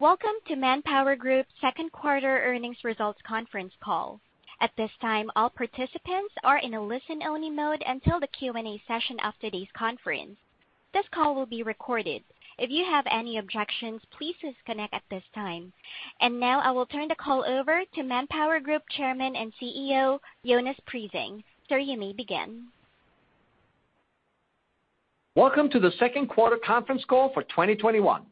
Welcome to ManpowerGroup's second quarter earnings results conference call. At this time, all participants are in a listen-only mode until the Q&A session after today's conference. This call will be recorded. If you have any objections, please disconnect at this time. Now I will turn the call over to ManpowerGroup Chairman and CEO, Jonas Prising. Sir, you may begin. Welcome to the second quarter conference call for 2021.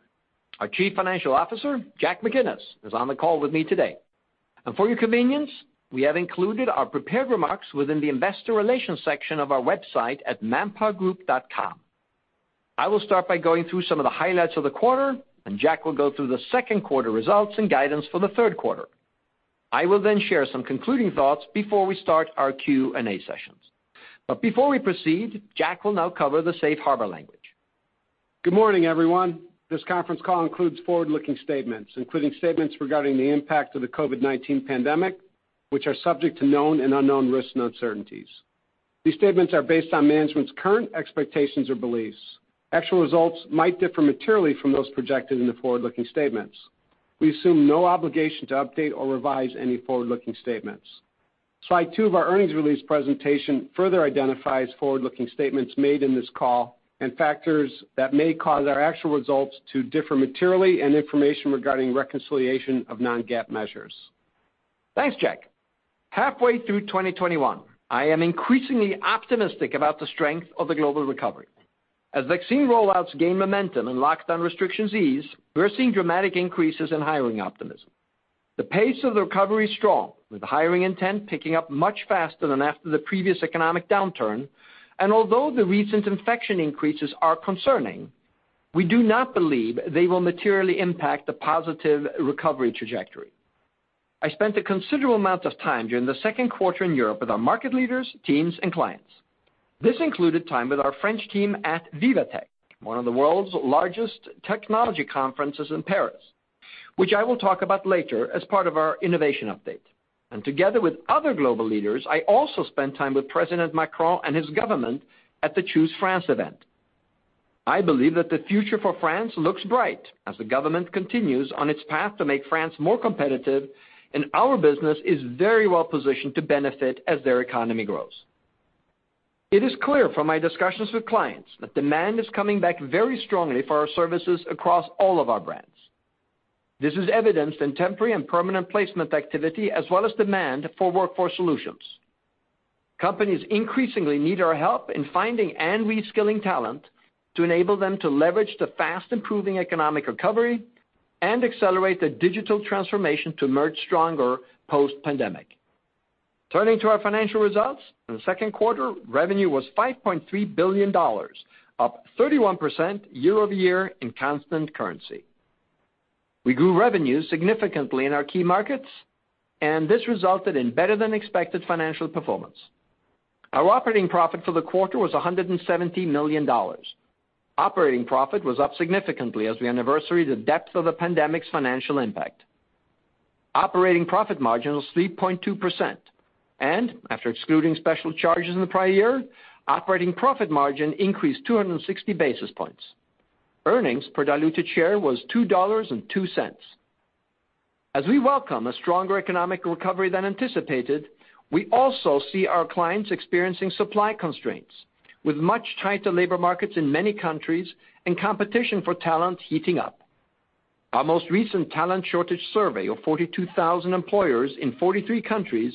Our Chief Financial Officer, Jack McGinnis, is on the call with me today. For your convenience, we have included our prepared remarks within the investor relations section of our website at manpowergroup.com. I will start by going through some of the highlights of the quarter. Jack will go through the second quarter results and guidance for the third quarter. I will share some concluding thoughts before we start our Q&A sessions. Before we proceed, Jack will now cover the safe harbor language. Good morning, everyone. This conference call includes forward-looking statements, including statements regarding the impact of the COVID-19 pandemic, which are subject to known and unknown risks and uncertainties. These statements are based on management's current expectations or beliefs. Actual results might differ materially from those projected in the forward-looking statements. We assume no obligation to update or revise any forward-looking statements. Slide two of our earnings release presentation further identifies forward-looking statements made in this call and factors that may cause our actual results to differ materially, and information regarding reconciliation of non-GAAP measures. Thanks, Jack. Halfway through 2021, I am increasingly optimistic about the strength of the global recovery. As vaccine rollouts gain momentum and lockdown restrictions ease, we're seeing dramatic increases in hiring optimism. The pace of the recovery is strong, with hiring intent picking up much faster than after the previous economic downturn. Although the recent infection increases are concerning, we do not believe they will materially impact the positive recovery trajectory. I spent a considerable amount of time during the second quarter in Europe with our market leaders, teams, and clients. This included time with our French team at Viva Technology, one of the world's largest technology conferences in Paris, which I will talk about later as part of our innovation update. Together with other global leaders, I also spent time with President Macron and his government at the Choose France event. I believe that the future for France looks bright as the government continues on its path to make France more competitive, and our business is very well positioned to benefit as their economy grows. It is clear from my discussions with clients that demand is coming back very strongly for our services across all of our brands. This is evidenced in temporary and permanent placement activity, as well as demand for workforce solutions. Companies increasingly need our help in finding and reskilling talent to enable them to leverage the fast-improving economic recovery and accelerate their digital transformation to emerge stronger post-pandemic. Turning to our financial results, in the second quarter, revenue was $5.3 billion, up 31% year-over-year in constant currency. We grew revenue significantly in our key markets, and this resulted in better than expected financial performance. Our operating profit for the quarter was $117 million. Operating profit was up significantly as we anniversary the depth of the pandemic's financial impact. Operating profit margin was 3.2%, and after excluding special charges in the prior year, operating profit margin increased 260 basis points. Earnings per diluted share was $2.02. As we welcome a stronger economic recovery than anticipated, we also see our clients experiencing supply constraints, with much tighter labor markets in many countries and competition for talent heating up. Our most recent talent shortage survey of 42,000 employers in 43 countries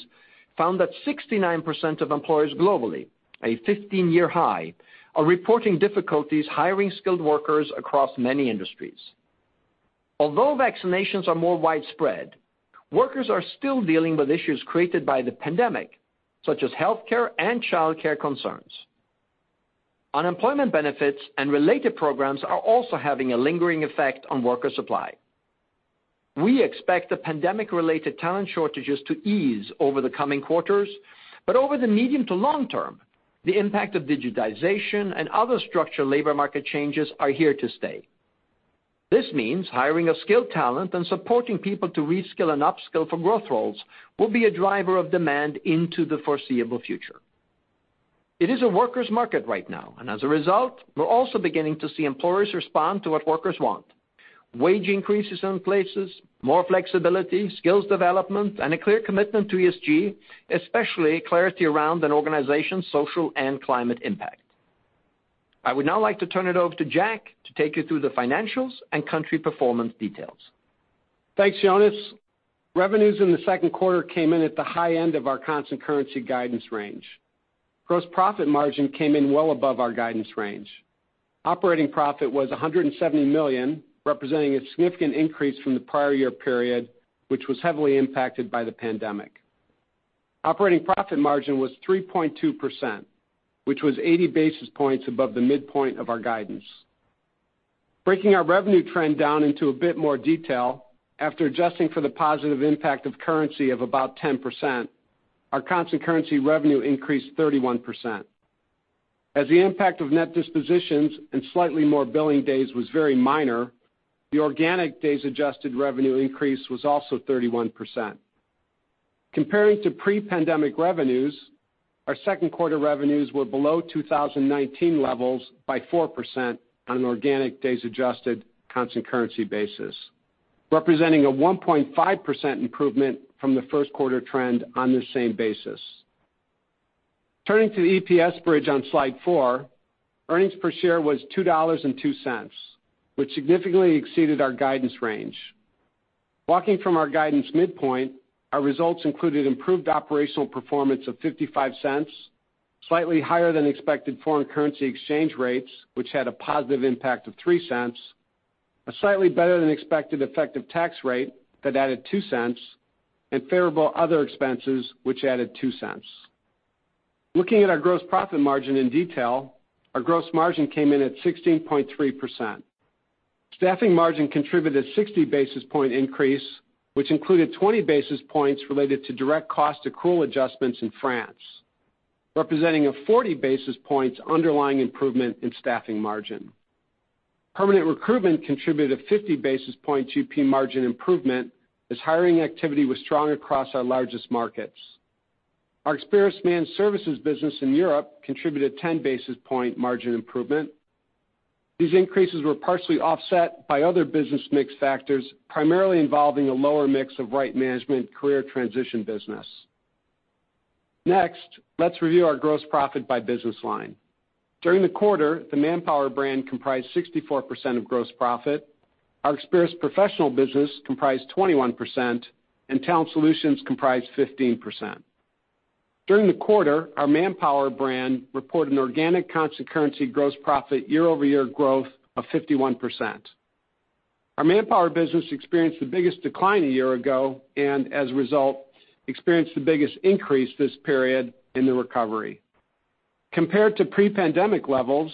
found that 69% of employers globally, a 15-year high, are reporting difficulties hiring skilled workers across many industries. Although vaccinations are more widespread, workers are still dealing with issues created by the pandemic, such as healthcare and childcare concerns. Unemployment benefits and related programs are also having a lingering effect on worker supply. We expect the pandemic-related talent shortages to ease over the coming quarters, but over the medium to long term, the impact of digitization and other structural labor market changes are here to stay. This means hiring of skilled talent and supporting people to reskill and upskill for growth roles will be a driver of demand into the foreseeable future. It is a workers' market right now, and as a result, we're also beginning to see employers respond to what workers want. Wage increases in places, more flexibility, skills development, and a clear commitment to ESG, especially clarity around an organization's social and climate impact. I would now like to turn it over to Jack to take you through the financials and country performance details. Thanks, Jonas. Revenues in the second quarter came in at the high end of our constant currency guidance range. Gross profit margin came in well above our guidance range. Operating profit was $170 million, representing a significant increase from the prior year period, which was heavily impacted by the pandemic. Operating profit margin was 3.2%, which was 80 basis points above the midpoint of our guidance. Breaking our revenue trend down into a bit more detail, after adjusting for the positive impact of currency of about 10%, our constant currency revenue increased 31%. The impact of net dispositions and slightly more billing days was very minor, the organic days adjusted revenue increase was also 31%. Comparing to pre-pandemic revenues, our second quarter revenues were below 2019 levels by 4% on an organic days adjusted constant currency basis, representing a 1.5% improvement from the first quarter trend on the same basis. Turning to the EPS bridge on Slide four, earnings per share was $2.02, which significantly exceeded our guidance range. Walking from our guidance midpoint, our results included improved operational performance of $0.55, slightly higher than expected foreign currency exchange rates, which had a positive impact of $0.03, a slightly better than expected effective tax rate that added $0.02, and favorable other expenses, which added $0.02. Looking at our gross profit margin in detail, our gross margin came in at 16.3%. Staffing margin contributed 60 basis point increase, which included 20 basis points related to direct cost accrual adjustments in France, representing a 40 basis points underlying improvement in staffing margin. Permanent recruitment contributed a 50 basis point GP margin improvement as hiring activity was strong across our largest markets. Our Experis managed services business in Europe contributed 10 basis point margin improvement. These increases were partially offset by other business mix factors, primarily involving a lower mix of Right Management career transition business. Next, let's review our gross profit by business line. During the quarter, the Manpower brand comprised 64% of gross profit, our Experis professional business comprised 21%, and Talent Solutions comprised 15%. During the quarter, our Manpower brand reported an organic constant currency gross profit year-over-year growth of 51%. Our Manpower business experienced the biggest decline a year ago, and as a result, experienced the biggest increase this period in the recovery. Compared to pre-pandemic levels,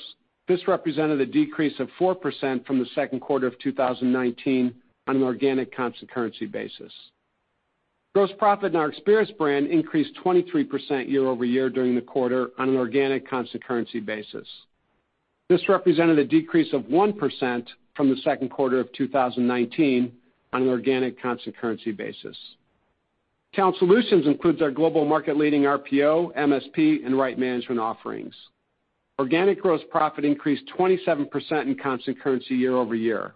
this represented a decrease of 4% from the second quarter of 2019 on an organic constant currency basis. Gross profit in our Experis brand increased 23% year-over-year during the quarter on an organic constant currency basis. This represented a decrease of 1% from the second quarter of 2019 on an organic constant currency basis. Talent Solutions includes our global market leading RPO, MSP, and Right Management offerings. Organic gross profit increased 27% in constant currency year-over-year.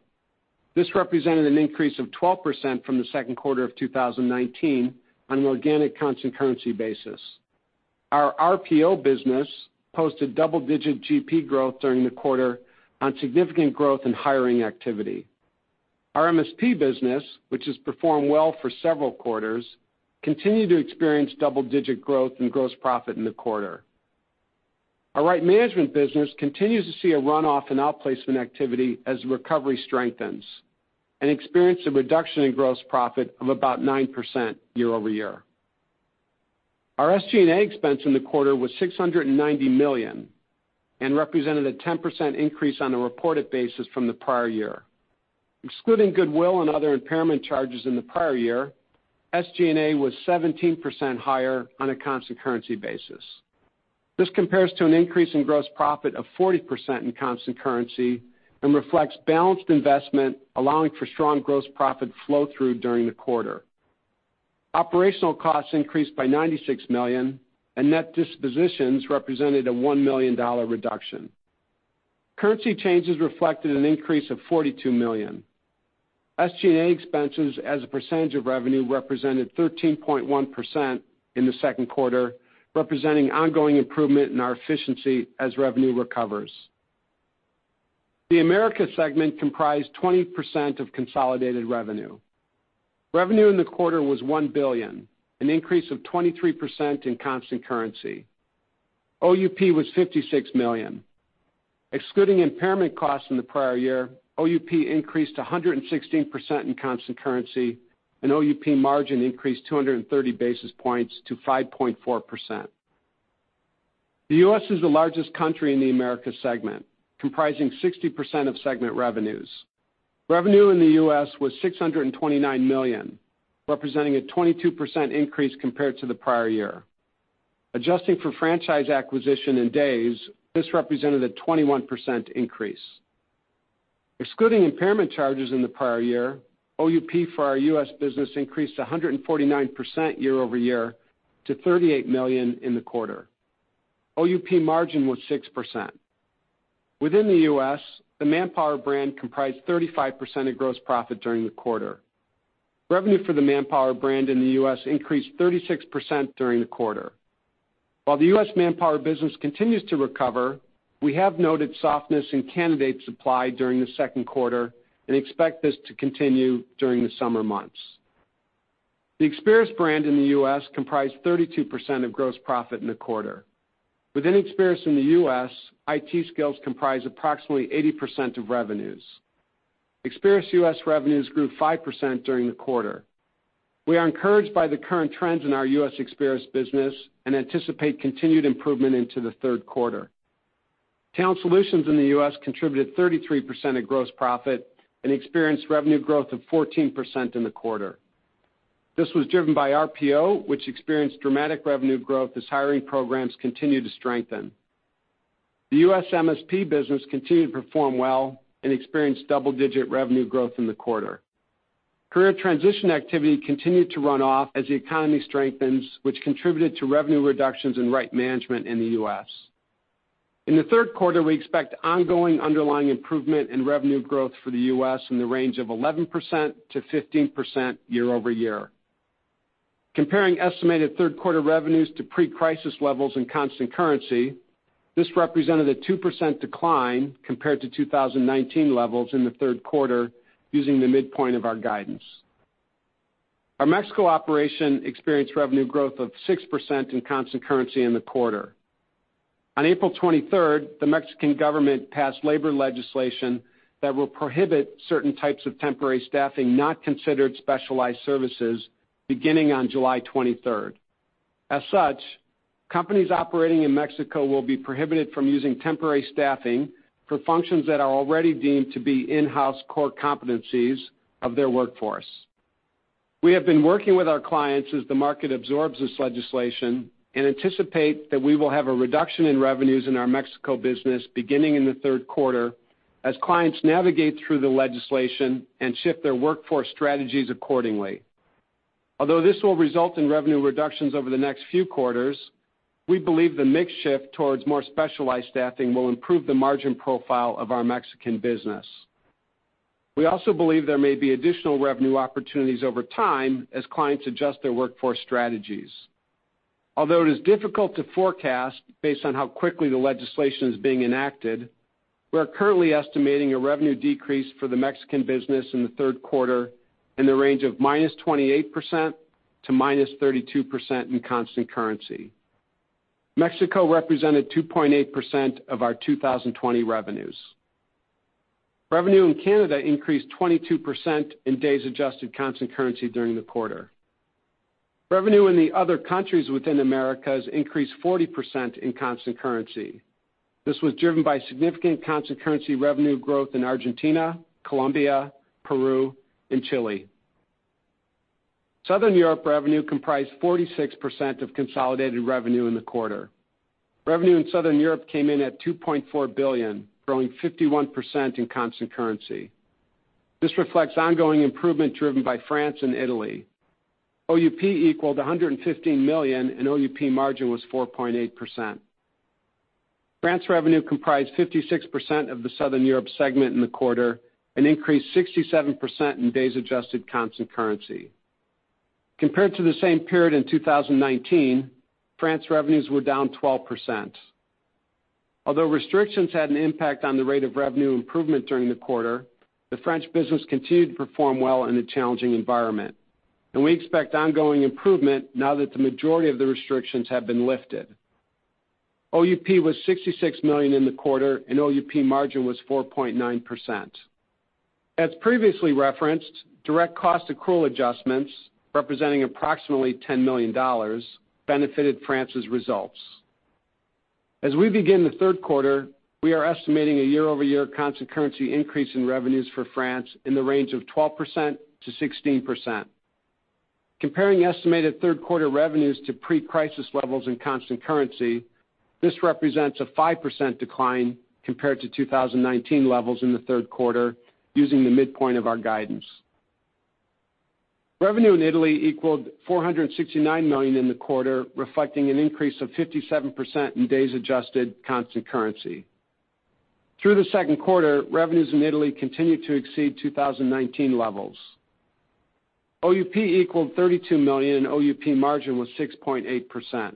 This represented an increase of 12% from the second quarter of 2019 on an organic constant currency basis. Our RPO business posted double-digit GP growth during the quarter on significant growth in hiring activity. Our MSP business, which has performed well for several quarters, continued to experience double-digit growth in gross profit in the quarter. Our Right Management business continues to see a runoff in outplacement activity as the recovery strengthens and experienced a reduction in gross profit of about 9% year-over-year. Our SG&A expense in the quarter was $690 million and represented a 10% increase on a reported basis from the prior year. Excluding goodwill and other impairment charges in the prior year, SG&A was 17% higher on a constant currency basis. This compares to an increase in gross profit of 40% in constant currency and reflects balanced investment, allowing for strong gross profit flow through during the quarter. Operational costs increased by $96 million, and net dispositions represented a $1 million reduction. Currency changes reflected an increase of $42 million. SG&A expenses as a percentage of revenue represented 13.1% in the second quarter, representing ongoing improvement in our efficiency as revenue recovers. The Americas Segment comprised 20% of consolidated revenue. Revenue in the quarter was $1 billion, an increase of 23% in constant currency. OUP was $56 million. Excluding impairment costs in the prior year, OUP increased 116% in constant currency, and OUP margin increased 230 basis points to 5.4%. The U.S. is the largest country in the Americas Segment, comprising 60% of segment revenues. Revenue in the U.S. was $629 million, representing a 22% increase compared to the prior year. Adjusting for franchise acquisition in days, this represented a 21% increase. Excluding impairment charges in the prior year, OUP for our U.S. business increased 149% year-over-year to $38 million in the quarter. OUP margin was 6%. Within the U.S., the Manpower brand comprised 35% of gross profit during the quarter. Revenue for the Manpower brand in the U.S. increased 36% during the quarter. While the U.S. ManpowerGroup business continues to recover, we have noted softness in candidate supply during the second quarter and expect this to continue during the summer months. The Experis brand in the U.S. comprised 32% of gross profit in the quarter. Within Experis in the U.S., IT Skills comprise approximately 80% of revenues. Experis U.S. revenues grew 5% during the quarter. We are encouraged by the current trends in our U.S. Experis business and anticipate continued improvement into the third quarter. Talent Solutions in the U.S. contributed 33% of gross profit and experienced revenue growth of 14% in the quarter. This was driven by RPO, which experienced dramatic revenue growth as hiring programs continue to strengthen. The U.S. MSP business continued to perform well and experienced double-digit revenue growth in the quarter. Career transition activity continued to run off as the economy strengthens, which contributed to revenue reductions in Right Management in the U.S. In the third quarter, we expect ongoing underlying improvement in revenue growth for the U.S. in the range of 11%-15% year-over-year. Comparing estimated third quarter revenues to pre-crisis levels in constant currency, this represented a 2% decline compared to 2019 levels in the third quarter using the midpoint of our guidance. Our Mexico operation experienced revenue growth of 6% in constant currency in the quarter. On April 23rd, the Mexican government passed labor legislation that will prohibit certain types of temporary staffing not considered specialized services beginning on July 23rd. As such, companies operating in Mexico will be prohibited from using temporary staffing for functions that are already deemed to be in-house core competencies of their workforce. We have been working with our clients as the market absorbs this legislation and anticipate that we will have a reduction in revenues in our Mexico business beginning in the third quarter as clients navigate through the legislation and shift their workforce strategies accordingly. Although this will result in revenue reductions over the next few quarters, we believe the mix shift towards more specialized staffing will improve the margin profile of our Mexican business. We also believe there may be additional revenue opportunities over time as clients adjust their workforce strategies. Although it is difficult to forecast based on how quickly the legislation is being enacted, we are currently estimating a revenue decrease for the Mexican business in the third quarter in the range of -28% to -32% in constant currency. Mexico represented 2.8% of our 2020 revenues. Revenue in Canada increased 22% in days adjusted constant currency during the quarter. Revenue in the other countries within Americas increased 40% in constant currency. This was driven by significant constant currency revenue growth in Argentina, Colombia, Peru, and Chile. Southern Europe revenue comprised 46% of consolidated revenue in the quarter. Revenue in Southern Europe came in at $2.4 billion, growing 51% in constant currency. This reflects ongoing improvement driven by France and Italy. OUP equaled $115 million, and OUP margin was 4.8%. France revenue comprised 56% of the Southern Europe segment in the quarter and increased 67% in days adjusted constant currency. Compared to the same period in 2019, France revenues were down 12%. Although restrictions had an impact on the rate of revenue improvement during the quarter, the French business continued to perform well in a challenging environment. We expect ongoing improvement now that the majority of the restrictions have been lifted. OUP was $66 million in the quarter, and OUP margin was 4.9%. As previously referenced, direct cost accrual adjustments representing approximately $10 million benefited France's results. As we begin the third quarter, we are estimating a year-over-year constant currency increase in revenues for France in the range of 12%-16%. Comparing estimated 3rd quarter revenues to pre-crisis levels in constant currency, this represents a 5% decline compared to 2019 levels in the 3rd quarter using the midpoint of our guidance. Revenue in Italy equaled $469 million in the quarter, reflecting an increase of 57% in days adjusted constant currency. Through the 2nd quarter, revenues in Italy continued to exceed 2019 levels. OUP equaled $32 million, and OUP margin was 6.8%.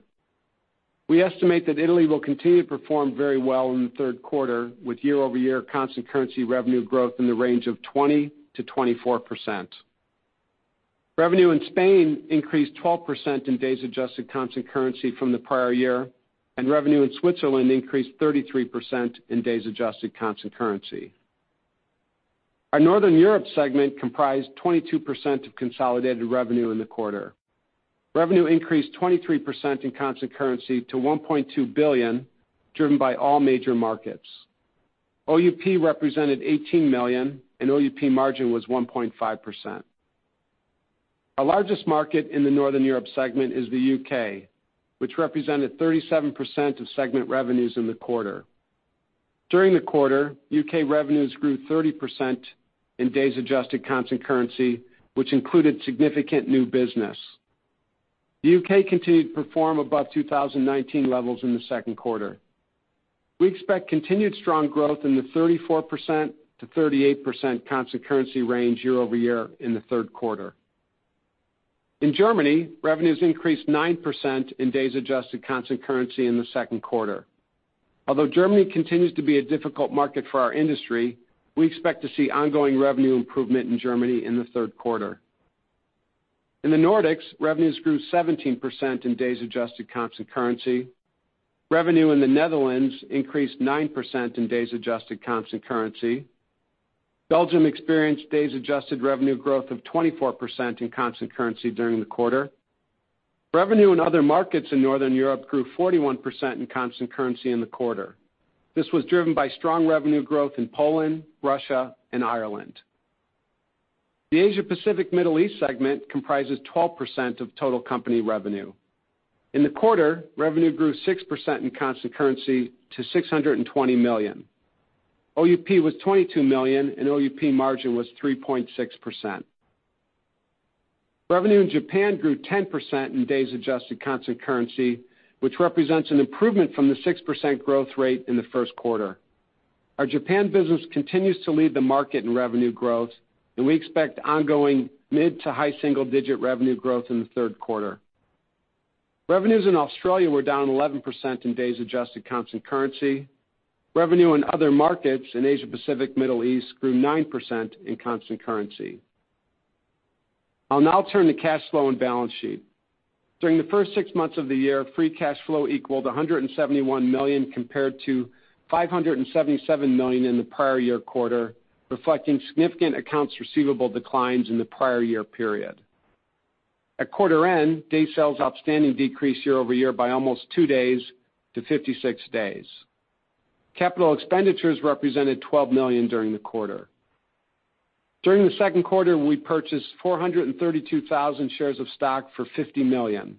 We estimate that Italy will continue to perform very well in the 3rd quarter with year-over-year constant currency revenue growth in the range of 20%-24%. Revenue in Spain increased 12% in days adjusted constant currency from the prior year, and revenue in Switzerland increased 33% in days adjusted constant currency. Our Northern Europe segment comprised 22% of consolidated revenue in the quarter. Revenue increased 23% in constant currency to $1.2 billion, driven by all major markets. OUP represented $18 million, and OUP margin was 1.5%. Our largest market in the Northern Europe segment is the U.K., which represented 37% of segment revenues in the quarter. During the quarter, U.K. revenues grew 30% in days adjusted constant currency, which included significant new business. The U.K. continued to perform above 2019 levels in the second quarter. We expect continued strong growth in the 34%-38% constant currency range year-over-year in the third quarter. In Germany, revenues increased 9% in days adjusted constant currency in the second quarter. Although Germany continues to be a difficult market for our industry, we expect to see ongoing revenue improvement in Germany in the third quarter. In the Nordics, revenues grew 17% in days adjusted constant currency. Revenue in the Netherlands increased 9% in days adjusted constant currency. Belgium experienced days adjusted revenue growth of 24% in constant currency during the quarter. Revenue in other markets in Northern Europe grew 41% in constant currency in the quarter. This was driven by strong revenue growth in Poland, Russia, and Ireland. The Asia-Pacific Middle East segment comprises 12% of total company revenue. In the quarter, revenue grew 6% in constant currency to $620 million. OUP was $22 million, and OUP margin was 3.6%. Revenue in Japan grew 10% in days adjusted constant currency, which represents an improvement from the 6% growth rate in the first quarter. Our Japan business continues to lead the market in revenue growth, and we expect ongoing mid to high single-digit revenue growth in the third quarter. Revenues in Australia were down 11% in days adjusted constant currency. Revenue in other markets in Asia-Pacific Middle East grew 9% in constant currency. I'll now turn to cash flow and balance sheet. During the first six months of the year, free cash flow equaled $171 million compared to $577 million in the prior year quarter, reflecting significant accounts receivable declines in the prior year period. At quarter end, day sales outstanding decreased year-over-year by almost two days to 56 days. Capital expenditures represented $12 million during the quarter. During the second quarter, we purchased 432,000 shares of stock for $50 million.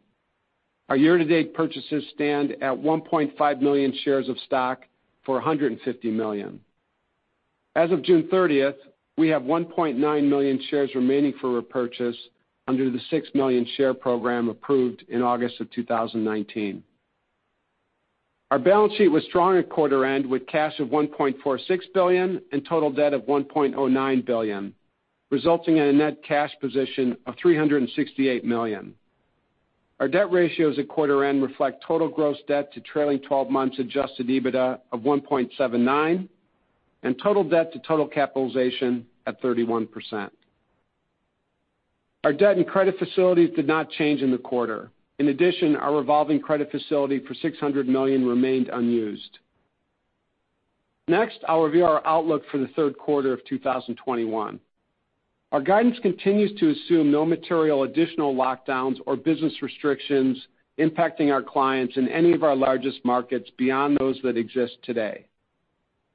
Our year-to-date purchases stand at 1.5 million shares of stock for $150 million. As of June 30th, we have 1.9 million shares remaining for repurchase under the six million share program approved in August of 2019. Our balance sheet was strong at quarter end with cash of $1.46 billion and total debt of $1.09 billion, resulting in a net cash position of $368 million. Our debt ratios at quarter end reflect total gross debt to trailing 12 months adjusted EBITDA of 1.79 and total debt to total capitalization at 31%. Our debt and credit facilities did not change in the quarter. In addition, our revolving credit facility for $600 million remained unused. Next, I'll review our outlook for the third quarter of 2021. Our guidance continues to assume no material additional lockdowns or business restrictions impacting our clients in any of our largest markets beyond those that exist today.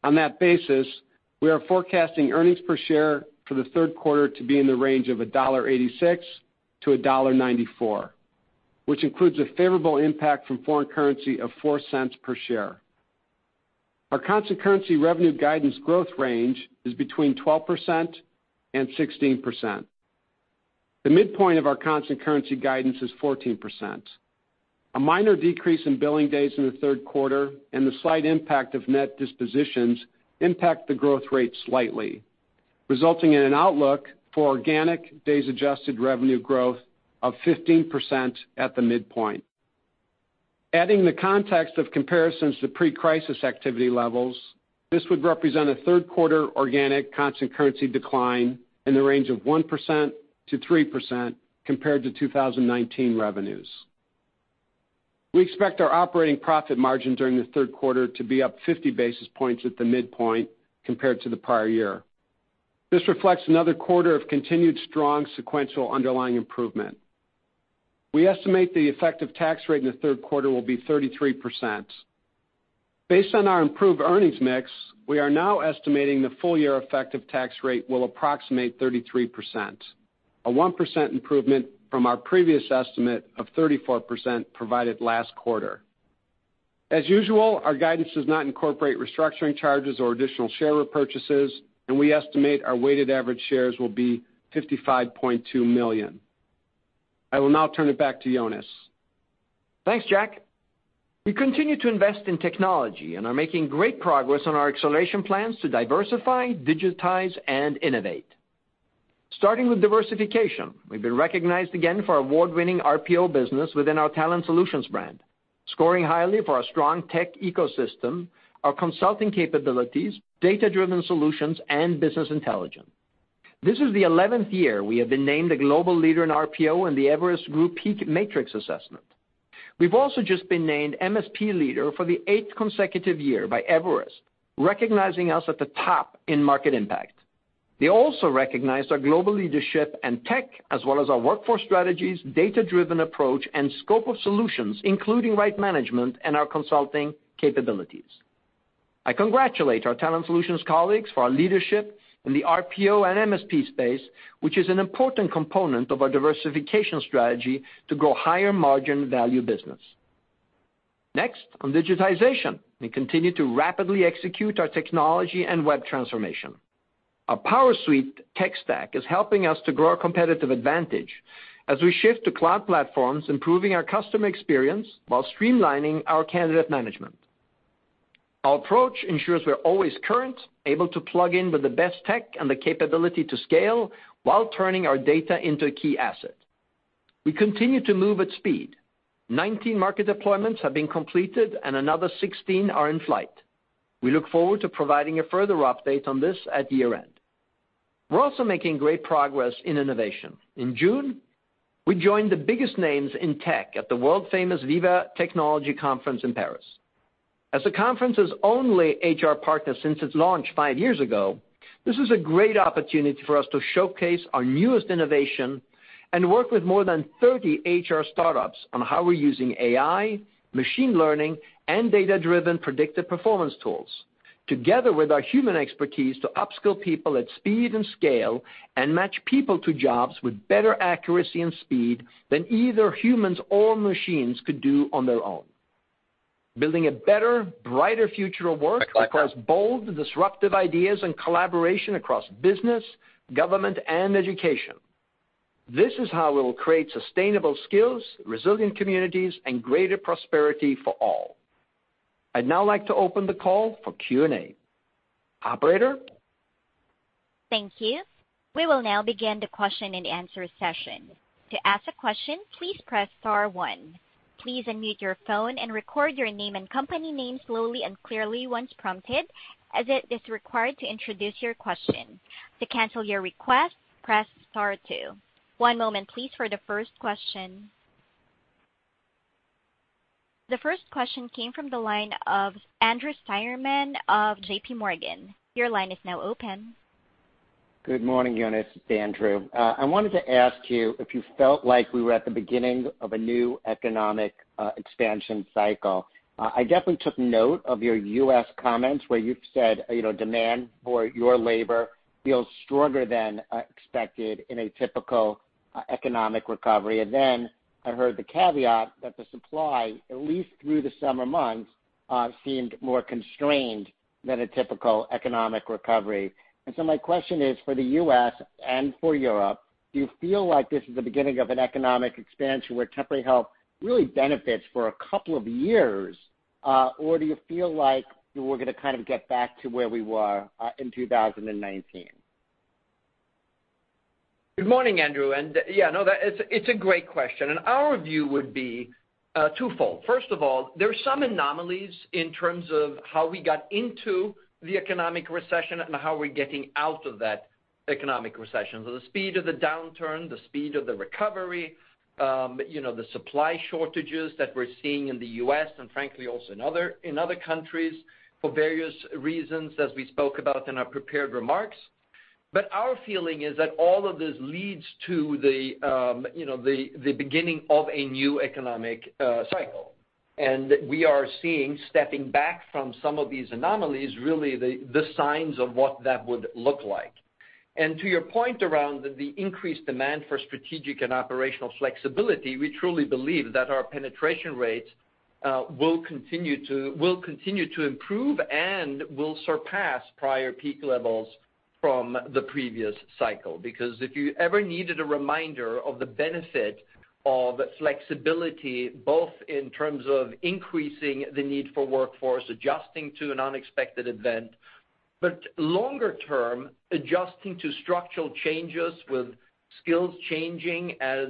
On that basis, we are forecasting earnings per share for the third quarter to be in the range of $1.86-$1.94, which includes a favorable impact from foreign currency of $0.04 per share. Our constant currency revenue guidance growth range is between 12% and 16%. The midpoint of our constant currency guidance is 14%. A minor decrease in billing days in the third quarter and the slight impact of net dispositions impact the growth rate slightly, resulting in an outlook for organic days adjusted revenue growth of 15% at the midpoint. Adding the context of comparisons to pre-crisis activity levels, this would represent a third quarter organic constant currency decline in the range of 1%-3% compared to 2019 revenues. We expect our operating profit margin during the third quarter to be up 50 basis points at the midpoint compared to the prior year. This reflects another quarter of continued strong sequential underlying improvement. We estimate the effective tax rate in the third quarter will be 33%. Based on our improved earnings mix, we are now estimating the full year effective tax rate will approximate 33%, a 1% improvement from our previous estimate of 34% provided last quarter. As usual, our guidance does not incorporate restructuring charges or additional share repurchases, and we estimate our weighted average shares will be 55.2 million. I will now turn it back to Jonas. Thanks, Jack. We continue to invest in technology and are making great progress on our acceleration plans to diversify, digitize, and innovate. Starting with diversification, we've been recognized again for award-winning RPO business within our Talent Solutions brand, scoring highly for our strong tech ecosystem, our consulting capabilities, data-driven solutions, and business intelligence. This is the 11th year we have been named a global leader in RPO in the Everest Group PEAK Matrix Assessment. We've also just been named MSP leader for the eighth consecutive year by Everest, recognizing us at the top in market impact. They also recognized our global leadership and tech as well as our workforce strategies, data-driven approach, and scope of solutions, including Right Management and our consulting capabilities. I congratulate our Talent Solutions colleagues for our leadership in the RPO and MSP space, which is an important component of our diversification strategy to grow higher margin value business. On digitization, we continue to rapidly execute our technology and web transformation. Our PowerSuite tech stack is helping us to grow our competitive advantage as we shift to cloud platforms, improving our customer experience while streamlining our candidate management. Our approach ensures we are always current, able to plug in with the best tech, and the capability to scale while turning our data into a key asset. We continue to move at speed. 19 market deployments have been completed and another 16 are in flight. We look forward to providing a further update on this at year-end. We're also making great progress in innovation. In June, we joined the biggest names in tech at the world-famous Viva Technology conference in Paris. As the conference's only HR partner since its launch five years ago, this is a great opportunity for us to showcase our newest innovation and work with more than 30 HR startups on how we're using AI, machine learning, and data-driven predictive performance tools, together with our human expertise, to upskill people at speed and scale and match people to jobs with better accuracy and speed than either humans or machines could do on their own. Building a better, brighter future of work requires bold, disruptive ideas and collaboration across business, government, and education. This is how we'll create sustainable skills, resilient communities, and greater prosperity for all. I'd now like to open the call for Q&A. Operator? Thank you. We will now begin the question and answer session. The first question came from the line of Andrew Steinerman of JPMorgan. Your line is now open. Good morning, Jonas. It's Andrew. I wanted to ask you if you felt like we were at the beginning of a new economic expansion cycle. I definitely took note of your U.S. comments where you've said demand for your labor feels stronger than expected in a typical economic recovery. Then I heard the caveat that the supply, at least through the summer months, seemed more constrained than a typical economic recovery. So my question is, for the U.S. and for Europe, do you feel like this is the beginning of an economic expansion where Temporary Help really benefits for a couple of years? Do you feel like we're going to kind of get back to where we were in 2019? Good morning, Andrew Steinerman. Yeah, no, it's a great question. Our view would be twofold. First of all, there are some anomalies in terms of how we got into the economic recession and how we're getting out of that economic recession. The speed of the downturn, the speed of the recovery, the supply shortages that we're seeing in the U.S., and frankly also in other countries for various reasons, as we spoke about in our prepared remarks. Our feeling is that all of this leads to the beginning of a new economic cycle. We are seeing, stepping back from some of these anomalies, really the signs of what that would look like. To your point around the increased demand for strategic and operational flexibility, we truly believe that our penetration rates will continue to improve and will surpass prior peak levels from the previous cycle. If you ever needed a reminder of the benefit of flexibility, both in terms of increasing the need for workforce, adjusting to an unexpected event, but longer term, adjusting to structural changes with skills changing as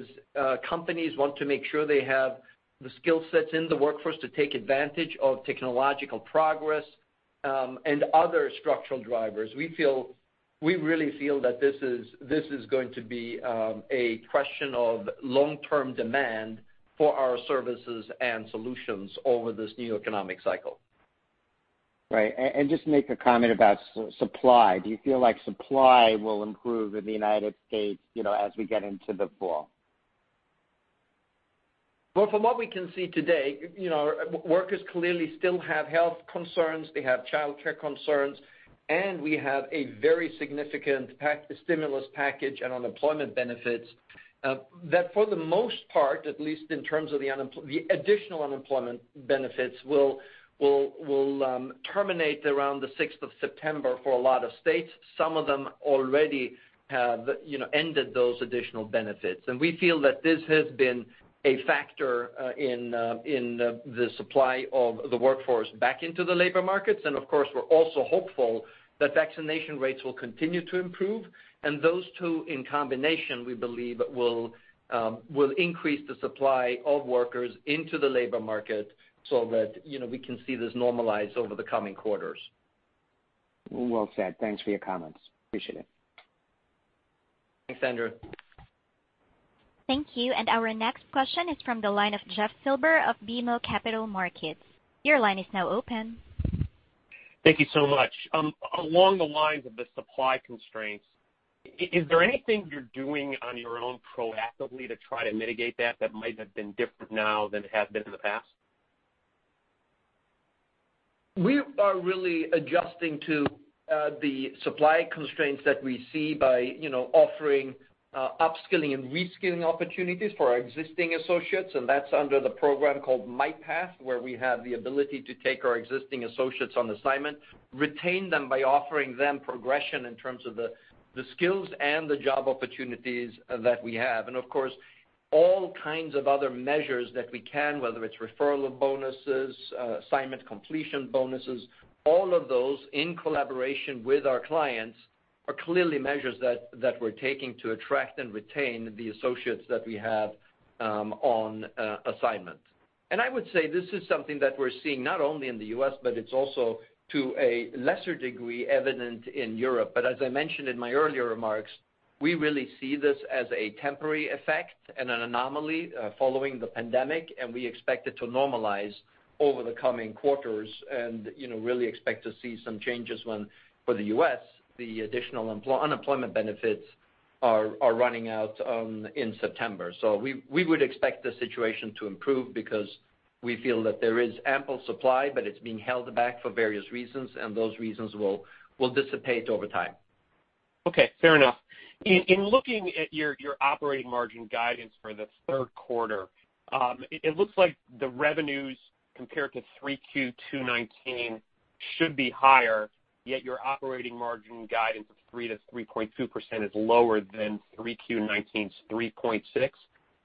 companies want to make sure they have the skill sets in the workforce to take advantage of technological progress, and other structural drivers. We really feel that this is going to be a question of long-term demand for our services and solutions over this new economic cycle. Right. Just make a comment about supply. Do you feel like supply will improve in the U.S. as we get into the fall? Well, from what we can see today, workers clearly still have health concerns, they have childcare concerns, and we have a very significant stimulus package and unemployment benefits that for the most part, at least in terms of the additional unemployment benefits, will terminate around the 6th of September for a lot of states. Some of them already have ended those additional benefits. We feel that this has been a factor in the supply of the workforce back into the labor markets. Of course, we're also hopeful that vaccination rates will continue to improve. Those two in combination, we believe, will increase the supply of workers into the labor market so that we can see this normalize over the coming quarters. Well said. Thanks for your comments. Appreciate it. Thanks, Andrew. Thank you. Our next question is from the line of Jeff Silber of BMO Capital Markets. Your line is now open. Thank you so much. Along the lines of the supply constraints, is there anything you're doing on your own proactively to try to mitigate that might have been different now than it has been in the past? We are really adjusting to the supply constraints that we see by offering upskilling and reskilling opportunities for our existing associates. That's under the program called MyPath, where we have the ability to take our existing associates on assignment, retain them by offering them progression in terms of the skills and the job opportunities that we have. Of course, all kinds of other measures that we can, whether it's referral bonuses, assignment completion bonuses, all of those in collaboration with our clients, are clearly measures that we're taking to attract and retain the associates that we have on assignment. I would say this is something that we're seeing not only in the U.S., but it's also to a lesser degree evident in Europe. As I mentioned in my earlier remarks. We really see this as a temporary effect and an anomaly following the pandemic, and we expect it to normalize over the coming quarters and really expect to see some changes when, for the U.S., the additional unemployment benefits are running out in September. We would expect the situation to improve because we feel that there is ample supply, but it's being held back for various reasons, and those reasons will dissipate over time. Okay, fair enough. In looking at your operating margin guidance for the third quarter, it looks like the revenues compared to 3Q 2019 should be higher, yet your operating margin guidance of 3%-3.2% is lower than 3Q 2019's 3.6%.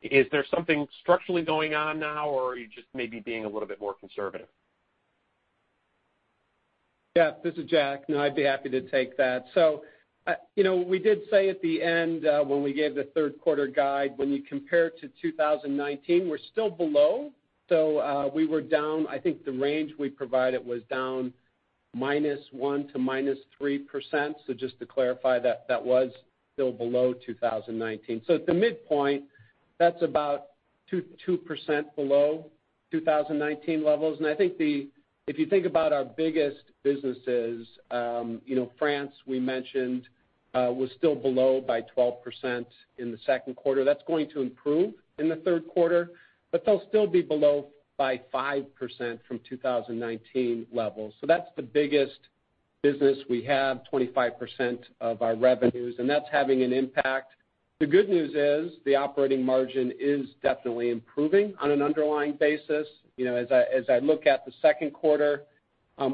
Is there something structurally going on now, or are you just maybe being a little bit more conservative? Jeff, this is Jack. No, I'd be happy to take that. We did say at the end when we gave the third quarter guide, when you compare to 2019, we're still below. We were down, I think the range we provided was down -1% to -3%, just to clarify, that was still below 2019. At the midpoint, that's about 2% below 2019 levels. I think if you think about our biggest businesses, France we mentioned was still below by 12% in the second quarter. That's going to improve in the third quarter, but they'll still be below by 5% from 2019 levels. That's the biggest business we have, 25% of our revenues, and that's having an impact. The good news is the operating margin is definitely improving on an underlying basis. As I look at the Q2,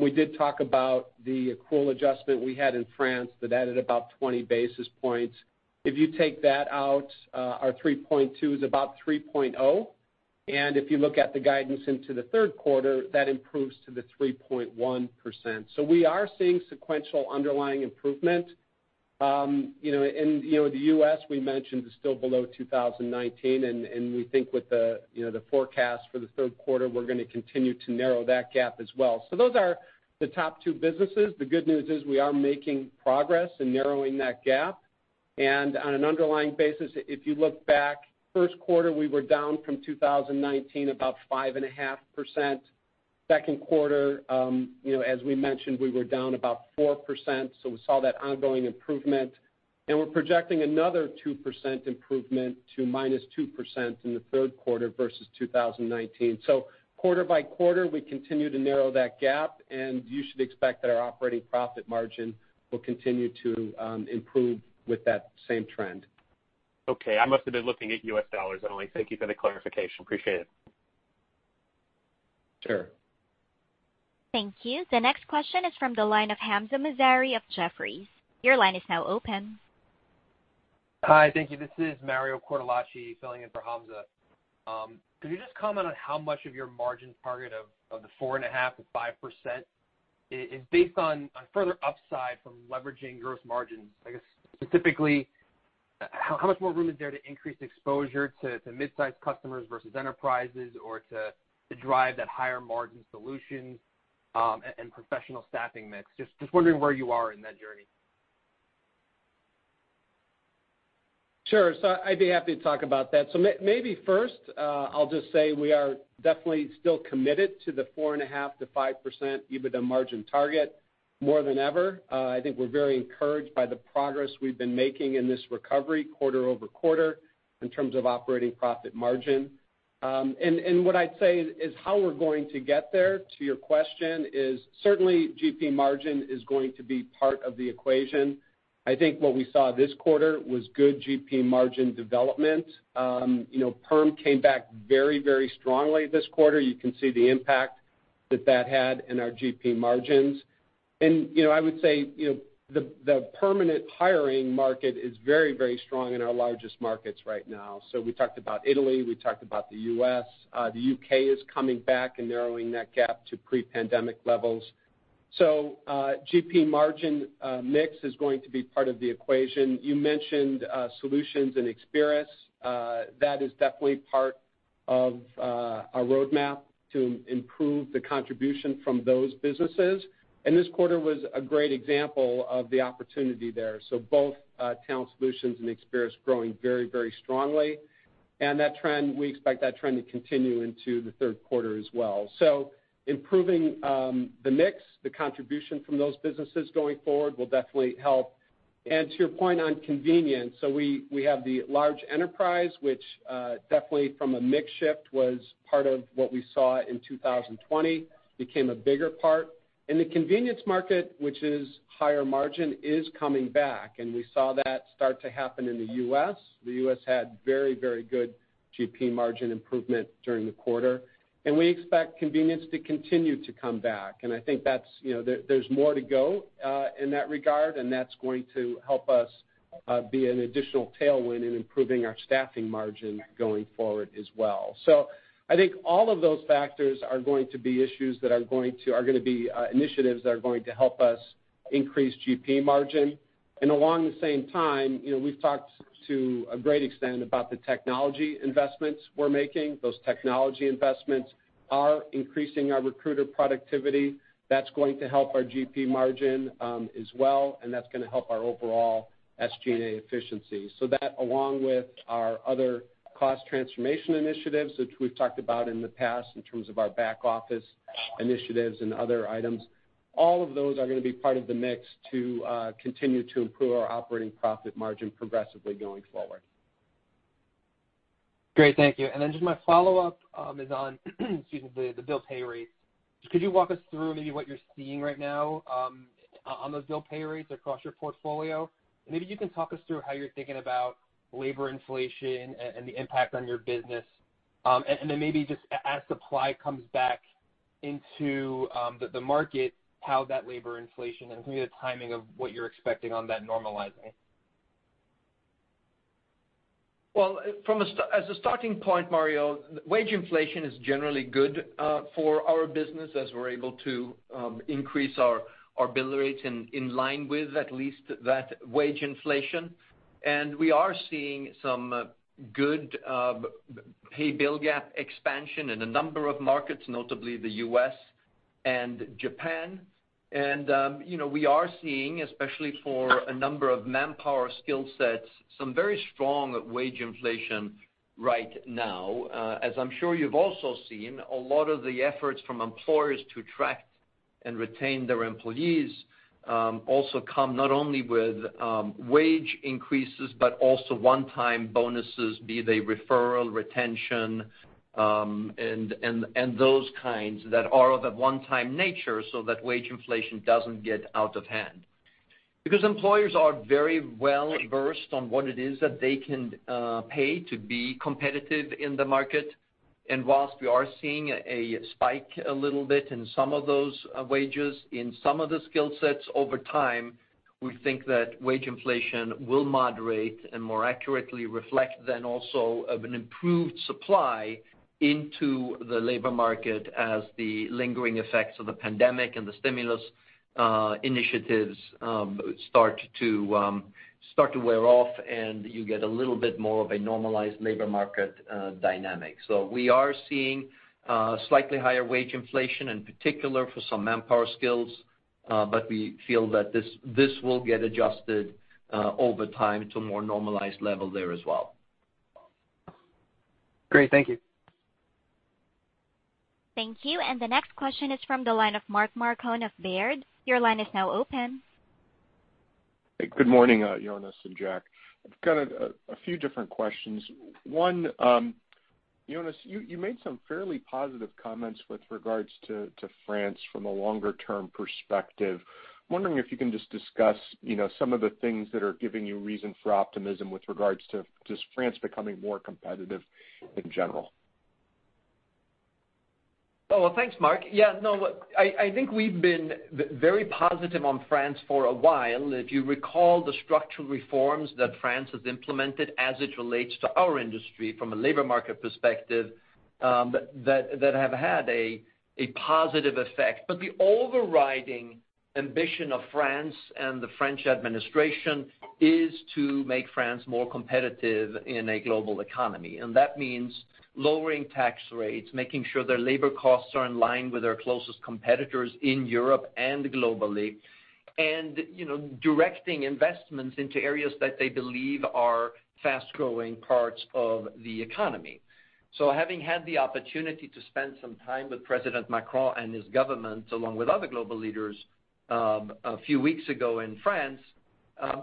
we did talk about the accrual adjustment we had in France that added about 20 basis points. If you take that out, our 3.2 is about 3.0, if you look at the guidance into the Q3, that improves to the 3.1%. We are seeing sequential underlying improvement. In the U.S., we mentioned is still below 2019, we think with the forecast for the Q3, we're going to continue to narrow that gap as well. Those are the top two businesses. The good news is we are making progress in narrowing that gap. On an underlying basis, if you look back Q1, we were down from 2019 about 5.5%. Q2, as we mentioned, we were down about 4%, we saw that ongoing improvement. We're projecting another 2% improvement to minus 2% in the third quarter versus 2019. Quarter by quarter, we continue to narrow that gap, and you should expect that our operating profit margin will continue to improve with that same trend. Okay. I must have been looking at US dollars only. Thank you for the clarification. Appreciate it. Sure. Thank you. The next question is from the line of Hamzah Mazari of Jefferies. Your line is now open. Hi. Thank you. This is Mario Cortellacci filling in for Hamzah Mazari. Could you just comment on how much of your margin target of the 4.5%-5% is based on a further upside from leveraging gross margins? I guess specifically, how much more room is there to increase exposure to midsize customers versus enterprises or to drive that higher margin solution, and professional staffing mix? Just wondering where you are in that journey. Sure. I'd be happy to talk about that. Maybe first, I'll just say we are definitely still committed to the 4.5%-5% EBITDA margin target more than ever. I think we're very encouraged by the progress we've been making in this recovery quarter-over-quarter in terms of operating profit margin. What I'd say is how we're going to get there, to your question is certainly GP margin is going to be part of the equation. I think what we saw this quarter was good GP margin development. Perm came back very, very strongly this quarter. You can see the impact that that had in our GP margins. I would say the permanent hiring market is very, very strong in our largest markets right now. We talked about Italy, we talked about the U.S. The U.K. is coming back and narrowing that gap to pre-pandemic levels. GP margin mix is going to be part of the equation. You mentioned Talent Solutions and Experis. That is definitely part of our roadmap to improve the contribution from those businesses. This quarter was a great example of the opportunity there. Both Talent Solutions and Experis growing very strongly. That trend, we expect that trend to continue into the third quarter as well. Improving the mix, the contribution from those businesses going forward will definitely help. To your point on convenience, so we have the large enterprise, which, definitely from a mix shift was part of what we saw in 2020 became a bigger part. The convenience market, which is higher margin, is coming back, and we saw that start to happen in the U.S. The U.S. had very good GP margin improvement during the quarter. We expect conversions to continue to come back. I think there's more to go, in that regard, and that's going to help us be an additional tailwind in improving our staffing margin going forward as well. I think all of those factors are going to be initiatives that are going to help us increase GP margin. Along the same time, we've talked to a great extent about the technology investments we're making. Those technology investments are increasing our recruiter productivity. That's going to help our GP margin as well, and that's going to help our overall SG&A efficiency. That, along with our other cost transformation initiatives that we've talked about in the past in terms of our back office initiatives and other items, all of those are going to be part of the mix to continue to improve our operating profit margin progressively going forward. Great, thank you. My follow-up is on, excuse me, the bill pay rates. Could you walk us through maybe what you're seeing right now on those bill pay rates across your portfolio? Maybe you can talk us through how you're thinking about labor inflation and the impact on your business, and then maybe just as supply comes back into the market, how that labor inflation and maybe the timing of what you're expecting on that normalizing? Well, as a starting point, Mario, wage inflation is generally good for our business as we're able to increase our bill rates in line with at least that wage inflation. We are seeing some good pay bill gap expansion in a number of markets, notably the U.S. and Japan. We are seeing, especially for a number of Manpower skill sets, some very strong wage inflation right now. As I'm sure you've also seen, a lot of the efforts from employers to attract and retain their employees, also come not only with wage increases, but also one-time bonuses, be they referral, retention, and those kinds that are of a one-time nature so that wage inflation doesn't get out of hand. Employers are very well-versed on what it is that they can pay to be competitive in the market. Whilst we are seeing a spike a little bit in some of those wages, in some of the skill sets over time, we think that wage inflation will moderate and more accurately reflect then also of an improved supply into the labor market as the lingering effects of the pandemic and the stimulus initiatives start to wear off and you get a little bit more of a normalized labor market dynamic. We are seeing slightly higher wage inflation, in particular for some Manpower skills. We feel that this will get adjusted over time to more normalized level there as well. Great. Thank you. Thank you. The next question is from the line of Mark Marcon of Baird. Your line is now open. Good morning, Jonas and Jack. I've got a few different questions. One, Jonas, you made some fairly positive comments with regards to France from a longer-term perspective. I'm wondering if you can just discuss some of the things that are giving you reason for optimism with regards to just France becoming more competitive in general. Well, thanks, Mark. Yeah, no, I think we've been very positive on France for a while. If you recall the structural reforms that France has implemented as it relates to our industry from a labor market perspective, that have had a positive effect. The overriding ambition of France and the French administration is to make France more competitive in a global economy. That means lowering tax rates, making sure their labor costs are in line with their closest competitors in Europe and globally, and directing investments into areas that they believe are fast-growing parts of the economy. Having had the opportunity to spend some time with President Macron and his government, along with other global leaders, a few weeks ago in France,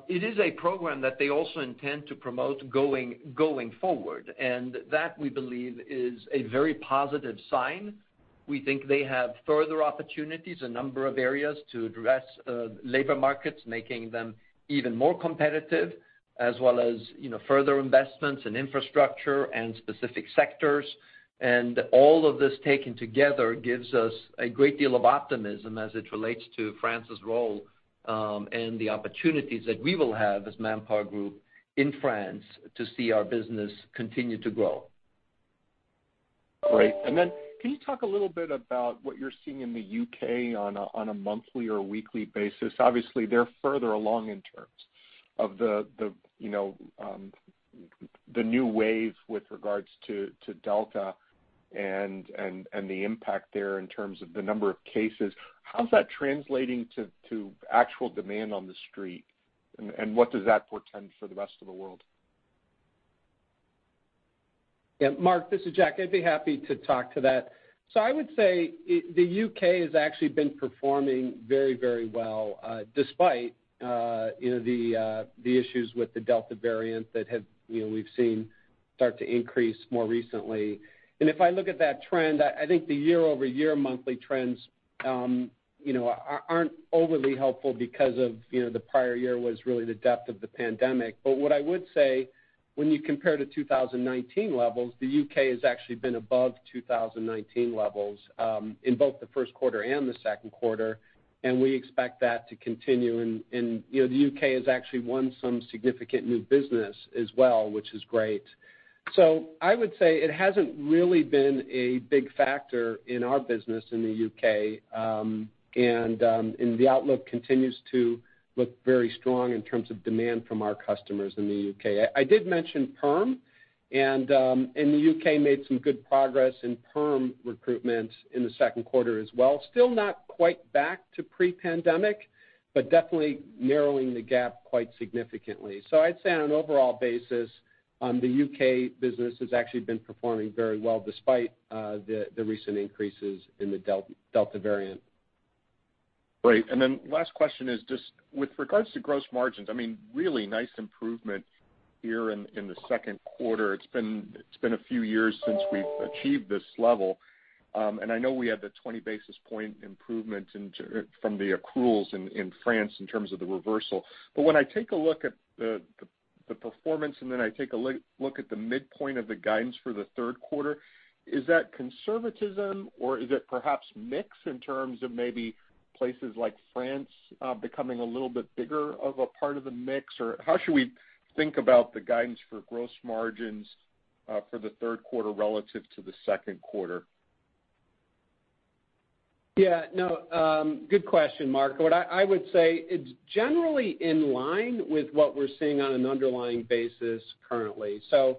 it is a program that they also intend to promote going forward. That, we believe, is a very positive sign. We think they have further opportunities, a number of areas to address labor markets, making them even more competitive, as well as further investments in infrastructure and specific sectors. All of this taken together gives us a great deal of optimism as it relates to France's role, and the opportunities that we will have as ManpowerGroup in France to see our business continue to grow. Great. Then can you talk a little bit about what you're seeing in the U.K. on a monthly or weekly basis? Obviously, they're further along in terms of the new wave with regards to Delta and the impact there in terms of the number of cases. How's that translating to actual demand on the street? What does that portend for the rest of the world? Yeah, Mark Marcon, this is Jack McGinnis. I'd be happy to talk to that. I would say the U.K. has actually been performing very well, despite the issues with the Delta variant that we've seen start to increase more recently. If I look at that trend, I think the year-over-year monthly trends aren't overly helpful because of the prior year was really the depth of the pandemic. What I would say, when you compare to 2019 levels, the U.K. has actually been above 2019 levels, in both the first quarter and the second quarter, and we expect that to continue. The U.K. has actually won some significant new business as well, which is great. I would say it hasn't really been a big factor in our business in the U.K. The outlook continues to look very strong in terms of demand from our customers in the U.K. I did mention perm, and the U.K. made some good progress in perm recruitment in the second quarter as well. Still not quite back to pre-pandemic, but definitely narrowing the gap quite significantly. I'd say on an overall basis, the U.K. business has actually been performing very well despite the recent increases in the Delta variant. Great. Last question is just with regards to gross margins, really nice improvement here in the second quarter. It's been a few years since we've achieved this level, and I know we had the 20 basis point improvement from the accruals in France in terms of the reversal. When I take a look at the performance and then I take a look at the midpoint of the guidance for the third quarter, is that conservatism or is it perhaps mix in terms of maybe places like France becoming a little bit bigger of a part of the mix? How should we think about the guidance for gross margins for the third quarter relative to the second quarter? Yeah. No. Good question, Mark. What I would say, it's generally in line with what we're seeing on an underlying basis currently. To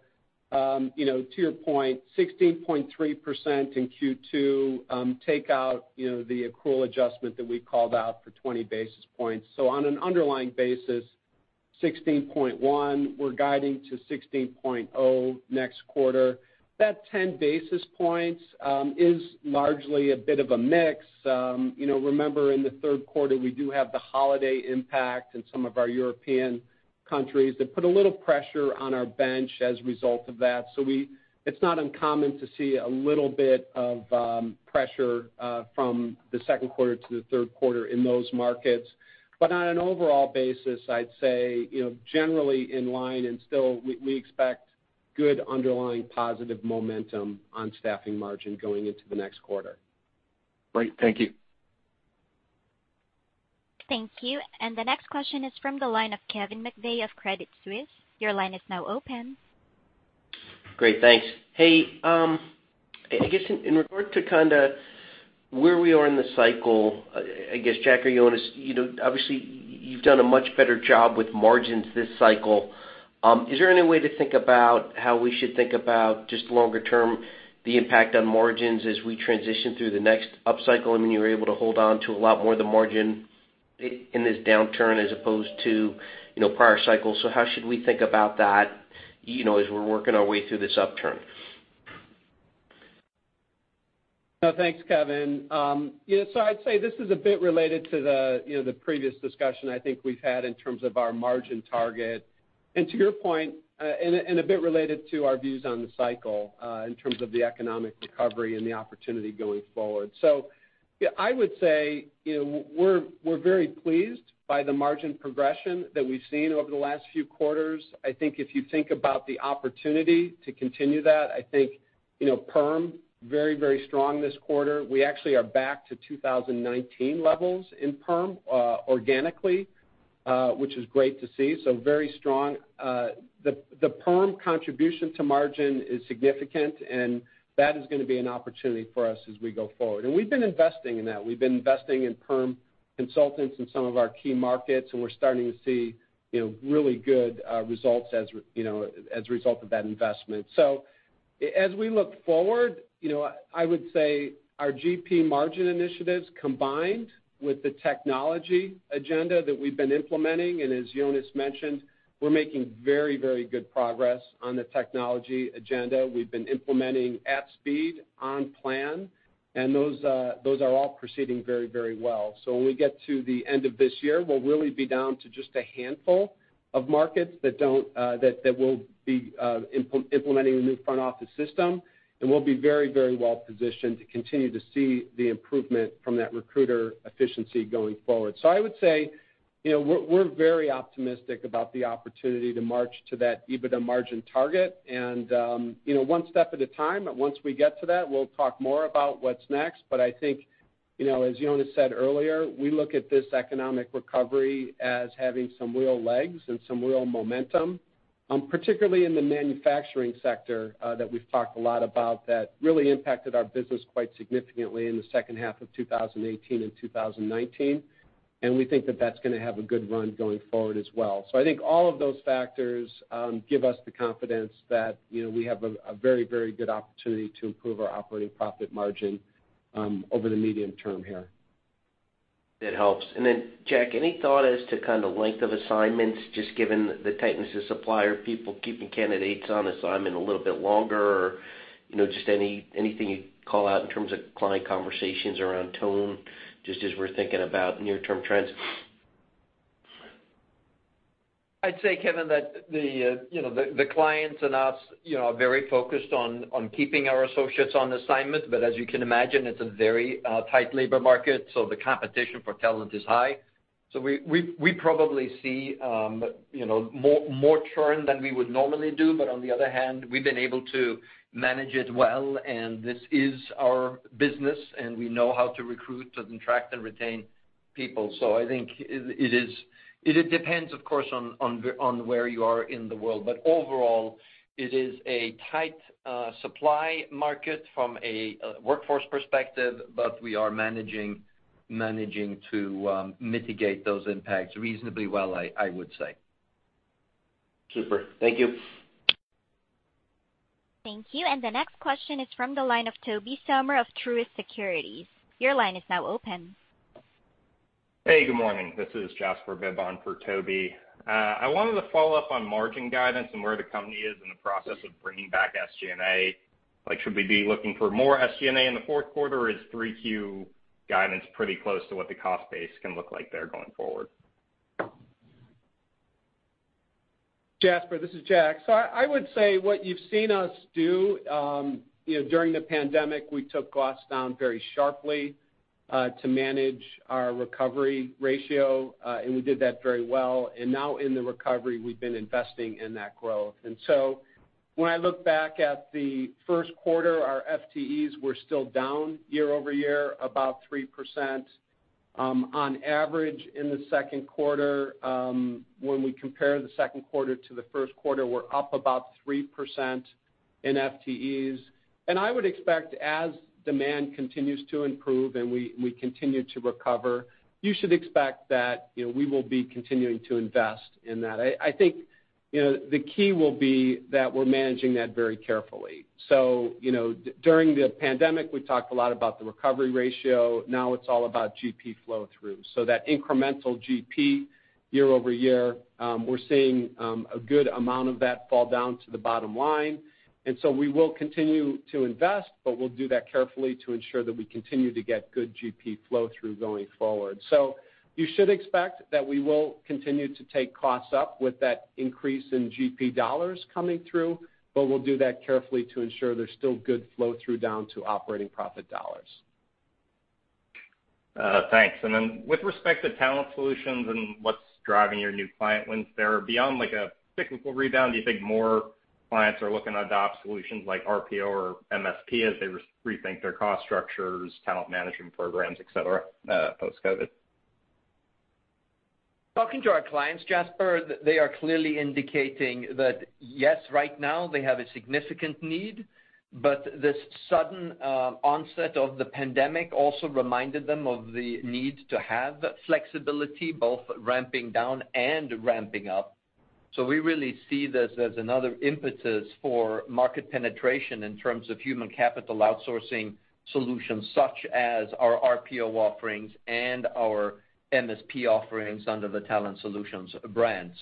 your point, 16.3% in Q2. Take out the accrual adjustment that we called out for 20 basis points. On an underlying basis, 16.1%, we're guiding to 16.0% next quarter. That 10 basis points is largely a bit of a mix. Remember, in the third quarter, we do have the holiday impact in some of our European countries that put a little pressure on our bench as a result of that. It's not uncommon to see a little bit of pressure from the second quarter to the third quarter in those markets. On an overall basis, I'd say, generally in line and still, we expect good underlying positive momentum on staffing margin going into the next quarter. Great. Thank you. Thank you. The next question is from the line of Kevin McVeigh of Credit Suisse. Your line is now open. Great. Thanks. Hey, I guess in regard to where we are in the cycle, I guess, Jack or Jonas, obviously you've done a much better job with margins this cycle. Is there any way how we should think about just longer term, the impact on margins as we transition through the next up cycle? You were able to hold on to a lot more of the margin in this downturn as opposed to prior cycles. How should we think about that, as we're working our way through this upturn? Thanks, Kevin. I'd say this is a bit related to the previous discussion I think we've had in terms of our margin target, and to your point, and a bit related to our views on the cycle, in terms of the economic recovery and the opportunity going forward. I would say, we're very pleased by the margin progression that we've seen over the last few quarters. I think if you think about the opportunity to continue that, I think, perm, very strong this quarter. We actually are back to 2019 levels in perm, organically, which is great to see. Very strong. The perm contribution to margin is significant, and that is going to be an opportunity for us as we go forward. We've been investing in that. We've been investing in perm consultants in some of our key markets, and we're starting to see really good results as a result of that investment. As we look forward, I would say our GP margin initiatives, combined with the technology agenda that we've been implementing, and as Jonas mentioned, we're making very good progress on the technology agenda. We've been implementing at speed, on plan, and those are all proceeding very well. When we get to the end of this year, we'll really be down to just a handful of markets that we'll be implementing a new front office system, and we'll be very well positioned to continue to see the improvement from that recruiter efficiency going forward. I would say, we're very optimistic about the opportunity to march to that EBITDA margin target and one step at a time. Once we get to that, we'll talk more about what's next. I think, as Jonas said earlier, we look at this economic recovery as having some real legs and some real momentum, particularly in the manufacturing sector, that we've talked a lot about that really impacted our business quite significantly in the second half of 2018 and 2019, and we think that that's going to have a good run going forward as well. I think all of those factors give us the confidence that we have a very good opportunity to improve our operating profit margin over the medium term here. That helps. Jack, any thought as to kind of length of assignments, just given the tightness of supplier people keeping candidates on assignment a little bit longer? Or just anything you'd call out in terms of client conversations around tone, just as we're thinking about near-term trends? I'd say, Kevin, that the clients and us are very focused on keeping our associates on assignment. As you can imagine, it's a very tight labor market, the competition for talent is high. We probably see more churn than we would normally do. On the other hand, we've been able to manage it well, and this is our business, and we know how to recruit and attract and retain people. I think it depends, of course, on where you are in the world. Overall, it is a tight supply market from a workforce perspective, we are managing to mitigate those impacts reasonably well, I would say. Super. Thank you. Thank you. The next question is from the line of Tobey Sommer of Truist Securities. Your line is now open. Hey, good morning. This is Jasper Bibb for Tobey Sommer. I wanted to follow up on margin guidance and where the company is in the process of bringing back SG&A. Should we be looking for more SG&A in the fourth quarter, or is 3Q guidance pretty close to what the cost base can look like there going forward? Jasper, this is Jack. I would say what you've seen us do during the pandemic, we took costs down very sharply to manage our recovery ratio, and we did that very well. Now in the recovery, we've been investing in that growth. When I look back at the first quarter, our FTEs were still down year-over-year about 3%. On average in the second quarter, when we compare the second quarter to the first quarter, we're up about 3% in FTEs. I would expect as demand continues to improve and we continue to recover, you should expect that we will be continuing to invest in that. I think the key will be that we're managing that very carefully. During the pandemic, we talked a lot about the recovery ratio. Now it's all about GP flow through. That incremental GP year-over-year, we're seeing a good amount of that fall down to the bottom line. We will continue to invest, but we'll do that carefully to ensure that we continue to get good GP flow through going forward. You should expect that we will continue to take costs up with that increase in GP dollars coming through, but we'll do that carefully to ensure there's still good flow through down to operating profit dollars. Thanks. Then with respect to Talent Solutions and what's driving your new client wins there, beyond like a cyclical rebound, do you think more clients are looking to adopt solutions like RPO or MSP as they rethink their cost structures, talent management programs, et cetera, post-COVID? Talking to our clients, Jasper, they are clearly indicating that yes, right now they have a significant need, but the sudden onset of the pandemic also reminded them of the need to have flexibility, both ramping down and ramping up. We really see this as another impetus for market penetration in terms of human capital outsourcing solutions such as our RPO offerings and our MSP offerings under the Talent Solutions brand.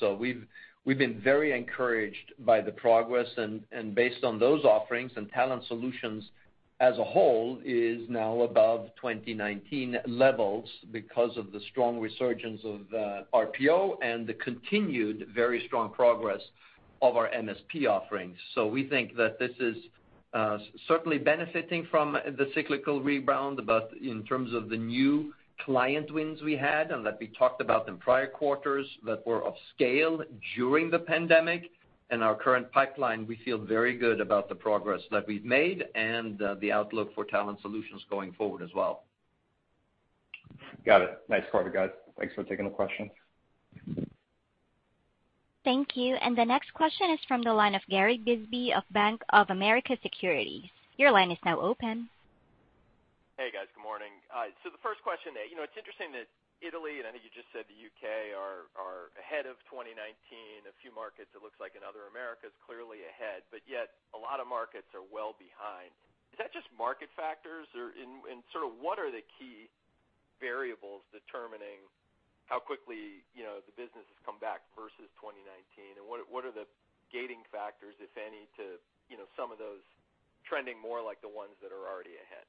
We've been very encouraged by the progress and based on those offerings, and Talent Solutions as a whole is now above 2019 levels because of the strong resurgence of RPO and the continued very strong progress of our MSP offerings. We think that this is certainly benefiting from the cyclical rebound, but in terms of the new client wins we had and that we talked about in prior quarters that were of scale during the pandemic and our current pipeline, we feel very good about the progress that we've made and the outlook for Talent Solutions going forward as well. Got it. Nice quarter, guys. Thanks for taking the question. Thank you. The next question is from the line of Gary Bisbee of Bank of America Securities. Your line is now open. Hey, guys. Good morning. The first question, it's interesting that Italy, and I think you just said the U.K., are ahead of 2019. A few markets, it looks like in other Americas, clearly ahead, but yet a lot of markets are well behind. Is that just market factors, or in sort of what are the key variables determining how quickly the business has come back versus 2019? What are the gating factors, if any, to some of those trending more like the ones that are already ahead?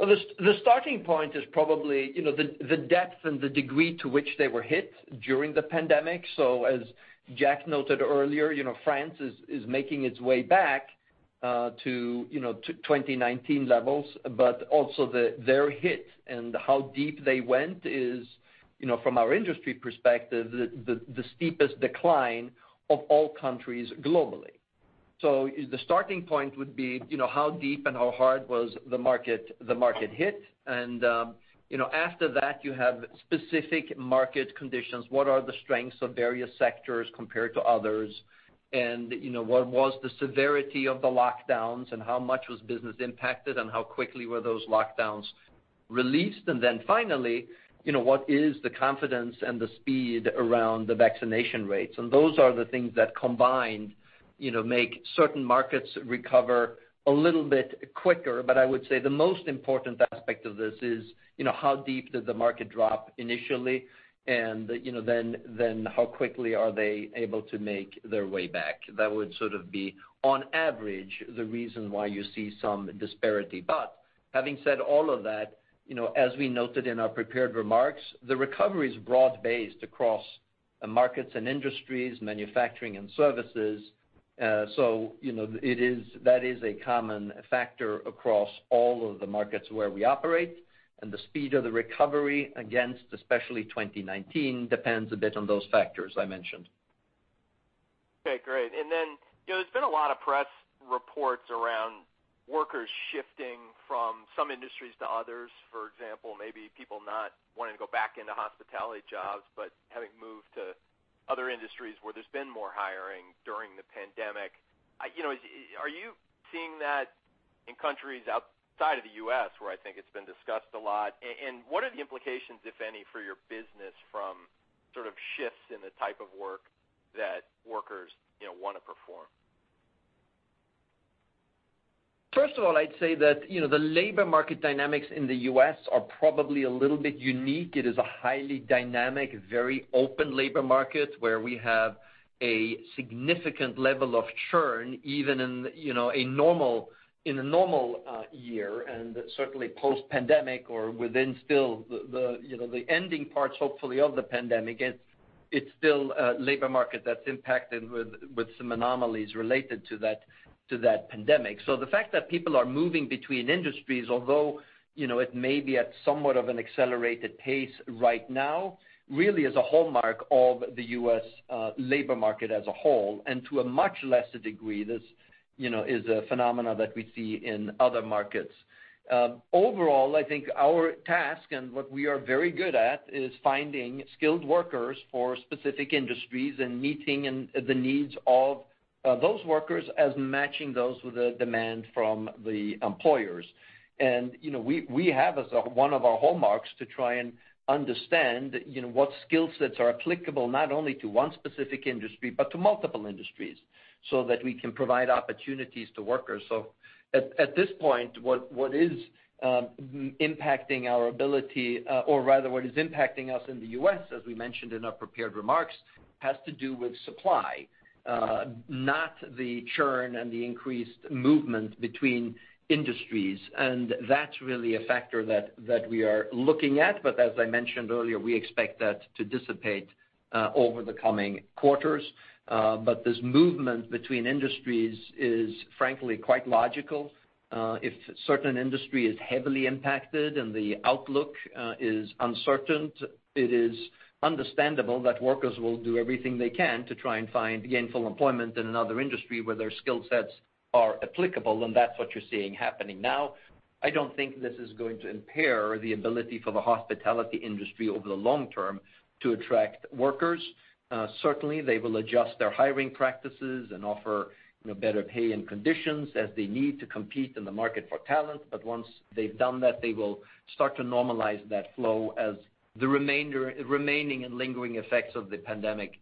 Well, the starting point is probably the depth and the degree to which they were hit during the pandemic. As Jack noted earlier, France is making its way back to 2019 levels, but also their hit and how deep they went is, from our industry perspective, the steepest decline of all countries globally. The starting point would be how deep and how hard was the market hit, and after that, you have specific market conditions. What are the strengths of various sectors compared to others? What was the severity of the lockdowns and how much was business impacted and how quickly were those lockdowns released? Finally, what is the confidence and the speed around the vaccination rates? Those are the things that combined, make certain markets recover a little bit quicker. I would say the most important aspect of this is how deep did the market drop initially, and then how quickly are they able to make their way back? That would sort of be, on average, the reason why you see some disparity. Having said all of that, as we noted in our prepared remarks, the recovery is broad-based across markets and industries, manufacturing and services. That is a common factor across all of the markets where we operate, and the speed of the recovery against especially 2019 depends a bit on those factors I mentioned. Okay, great. There's been a lot of press reports around workers shifting from some industries to others. For example, maybe people not wanting to go back into hospitality jobs, but having moved to other industries where there's been more hiring during the pandemic. Are you seeing that in countries outside of the U.S., where I think it's been discussed a lot? What are the implications, if any, for your business from sort of shifts in the type of work that workers want to perform? First of all, I'd say that the labor market dynamics in the U.S. are probably a little bit unique. It is a highly dynamic, very open labor market, where we have a significant level of churn, even in a normal year, and certainly post-pandemic or within still the ending parts, hopefully of the pandemic. It's still a labor market that's impacted with some anomalies related to that pandemic. The fact that people are moving between industries, although it may be at somewhat of an accelerated pace right now, really is a hallmark of the U.S. labor market as a whole, and to a much lesser degree, this is a phenomena that we see in other markets. Overall, I think our task, and what we are very good at, is finding skilled workers for specific industries and meeting the needs of those workers as matching those with the demand from the employers. We have as one of our hallmarks to try and understand what skill sets are applicable not only to one specific industry, but to multiple industries, so that we can provide opportunities to workers. At this point, what is impacting our ability, or rather, what is impacting us in the U.S., as we mentioned in our prepared remarks, has to do with supply, not the churn and the increased movement between industries. That's really a factor that we are looking at. As I mentioned earlier, we expect that to dissipate over the coming quarters. This movement between industries is, frankly, quite logical. If a certain industry is heavily impacted and the outlook is uncertain, it is understandable that workers will do everything they can to try and find gainful employment in another industry where their skill sets are applicable. That's what you're seeing happening now. I don't think this is going to impair the ability for the hospitality industry over the long term to attract workers. Certainly, they will adjust their hiring practices and offer better pay and conditions as they need to compete in the market for talent. Once they've done that, they will start to normalize that flow as the remaining and lingering effects of the pandemic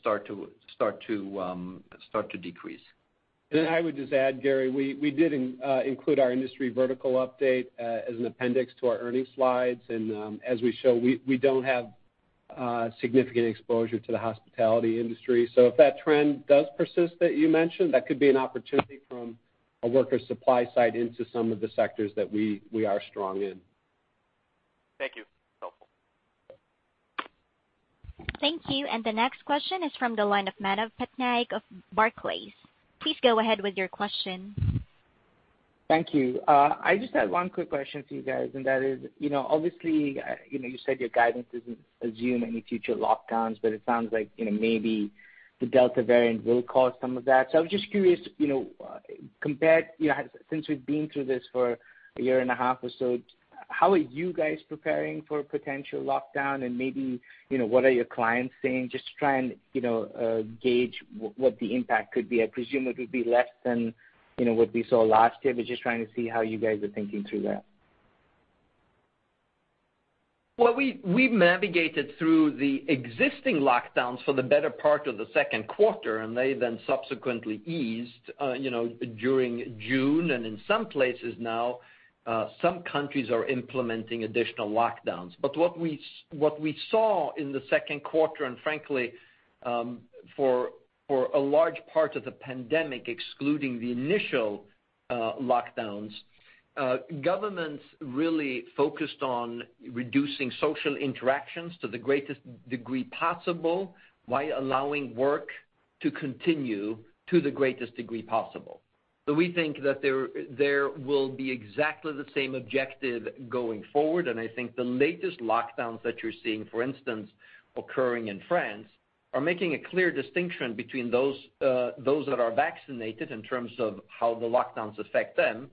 start to decrease. I would just add, Gary, we did include our industry vertical update as an appendix to our earnings slides. As we show, we don't have significant exposure to the hospitality industry. If that trend does persist that you mentioned, that could be an opportunity from a worker supply side into some of the sectors that we are strong in. Thank you. That's helpful. Thank you. The next question is from the line of Manav Patnaik of Barclays. Please go ahead with your question. Thank you. I just had one quick question for you guys, and that is, obviously, you said your guidance doesn't assume any future lockdowns. It sounds like maybe the Delta variant will cause some of that. I was just curious, since we've been through this for a year and a half or so, how are you guys preparing for a potential lockdown? Maybe what are your clients saying? Just trying to gauge what the impact could be. I presume it would be less than what we saw last year. Just trying to see how you guys are thinking through that. Well, we've navigated through the existing lockdowns for the better part of the second quarter, and they then subsequently eased during June. In some places now, some countries are implementing additional lockdowns. What we saw in the second quarter, and frankly, for a large part of the pandemic, excluding the initial lockdowns, governments really focused on reducing social interactions to the greatest degree possible while allowing work to continue to the greatest degree possible. We think that there will be exactly the same objective going forward. I think the latest lockdowns that you're seeing, for instance, occurring in France, are making a clear distinction between those that are vaccinated in terms of how the lockdowns affect them,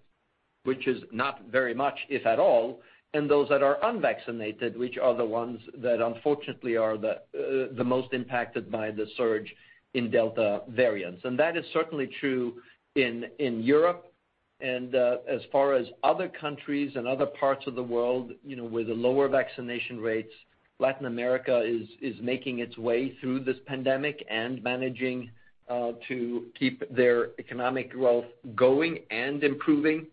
which is not very much, if at all, and those that are unvaccinated, which are the ones that unfortunately are the most impacted by the surge in Delta variants. That is certainly true in Europe. As far as other countries and other parts of the world with lower vaccination rates, Latin America is making its way through this pandemic and managing to keep their economic growth going and improving.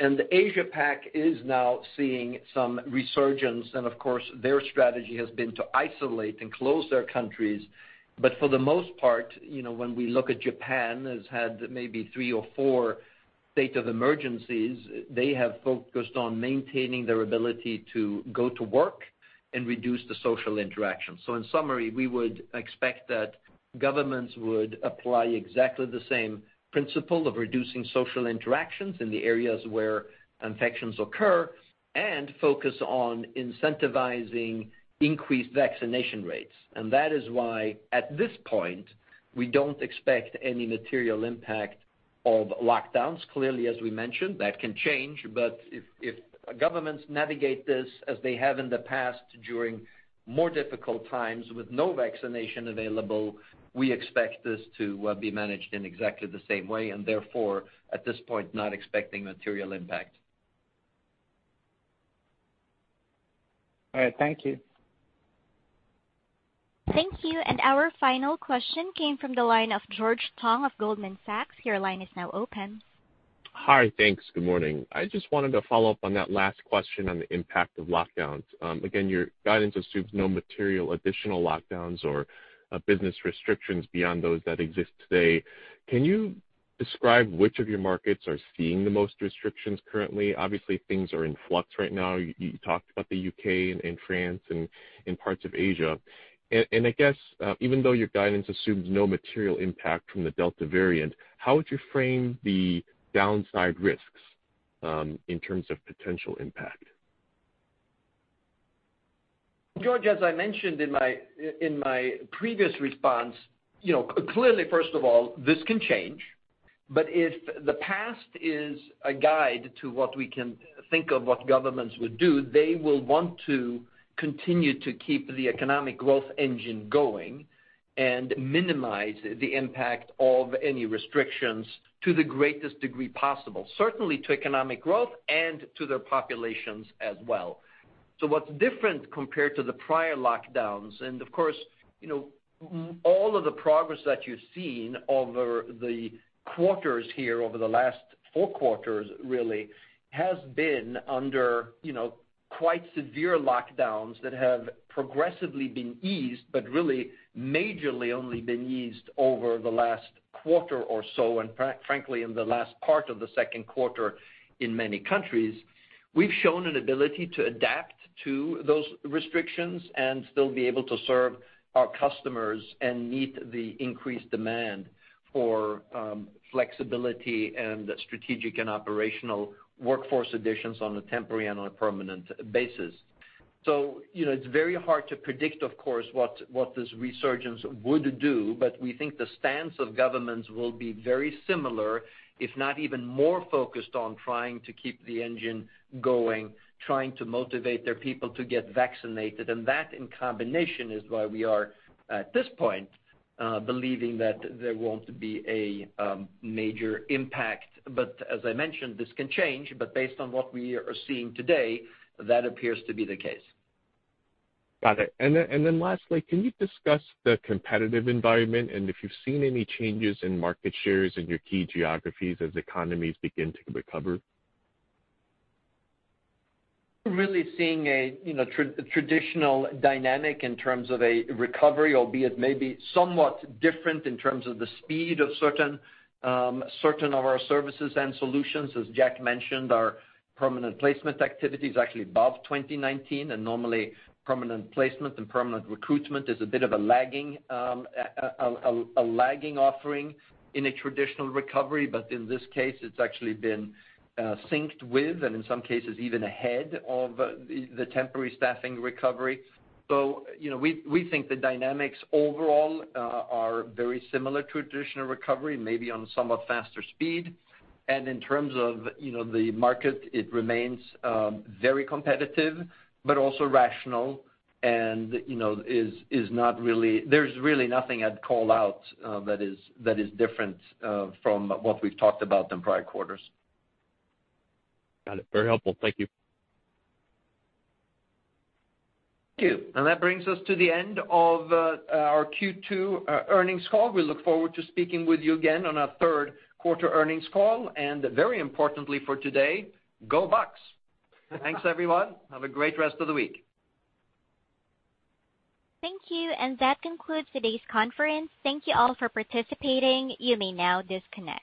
Asia Pac is now seeing some resurgence, and of course, their strategy has been to isolate and close their countries. For the most part, when we look at Japan, has had maybe three or four state of emergencies. They have focused on maintaining their ability to go to work and reduce the social interaction. In summary, we would expect that governments would apply exactly the same principle of reducing social interactions in the areas where infections occur and focus on incentivizing increased vaccination rates. That is why, at this point, we don't expect any material impact of lockdowns. Clearly, as we mentioned, that can change. If governments navigate this as they have in the past, during more difficult times with no vaccination available, we expect this to be managed in exactly the same way, and therefore, at this point, not expecting material impact. All right. Thank you. Thank you. Our final question came from the line of George Tong of Goldman Sachs. Hi. Thanks. Good morning. I just wanted to follow up on that last question on the impact of lockdowns. Your guidance assumes no material additional lockdowns or business restrictions beyond those that exist today. Can you describe which of your markets are seeing the most restrictions currently? Obviously, things are in flux right now. You talked about the U.K. and France and parts of Asia. I guess, even though your guidance assumes no material impact from the Delta variant, how would you frame the downside risks in terms of potential impact? George, as I mentioned in my previous response, clearly, first of all, this can change. If the past is a guide to what we can think of what governments would do, they will want to continue to keep the economic growth engine going and minimize the impact of any restrictions to the greatest degree possible, certainly to economic growth and to their populations as well. What's different compared to the prior lockdowns, and of course, all of the progress that you've seen over the quarters here, over the last four quarters, really has been under quite severe lockdowns that have progressively been eased, but really majorly only been eased over the last quarter or so, and frankly, in the last part of the second quarter in many countries. We've shown an ability to adapt to those restrictions and still be able to serve our customers and meet the increased demand for flexibility and strategic and operational workforce additions on a temporary and on a permanent basis. It's very hard to predict, of course, what this resurgence would do, but we think the stance of governments will be very similar, if not even more focused on trying to keep the engine going, trying to motivate their people to get vaccinated. That in combination is why we are, at this point, believing that there won't be a major impact. As I mentioned, this can change. Based on what we are seeing today, that appears to be the case. Got it. Then lastly, can you discuss the competitive environment and if you've seen any changes in market shares in your key geographies as economies begin to recover? Really seeing a traditional dynamic in terms of a recovery, albeit maybe somewhat different in terms of the speed of certain of our services and solutions. As Jack mentioned, our permanent placement activity is actually above 2019, Normally permanent placement and permanent recruitment is a bit of a lagging offering in a traditional recovery. In this case, it's actually been synced with, and in some cases even ahead of the temporary staffing recovery. We think the dynamics overall are very similar to traditional recovery, maybe on somewhat faster speed. In terms of the market, it remains very competitive but also rational and there's really nothing I'd call out that is different from what we've talked about in prior quarters. Got it. Very helpful. Thank you. Thank you. That brings us to the end of our Q2 earnings call. We look forward to speaking with you again on our third quarter earnings call, and very importantly for today, go Bucks. Thanks, everyone. Have a great rest of the week. Thank you. That concludes today's conference. Thank you all for participating. You may now disconnect.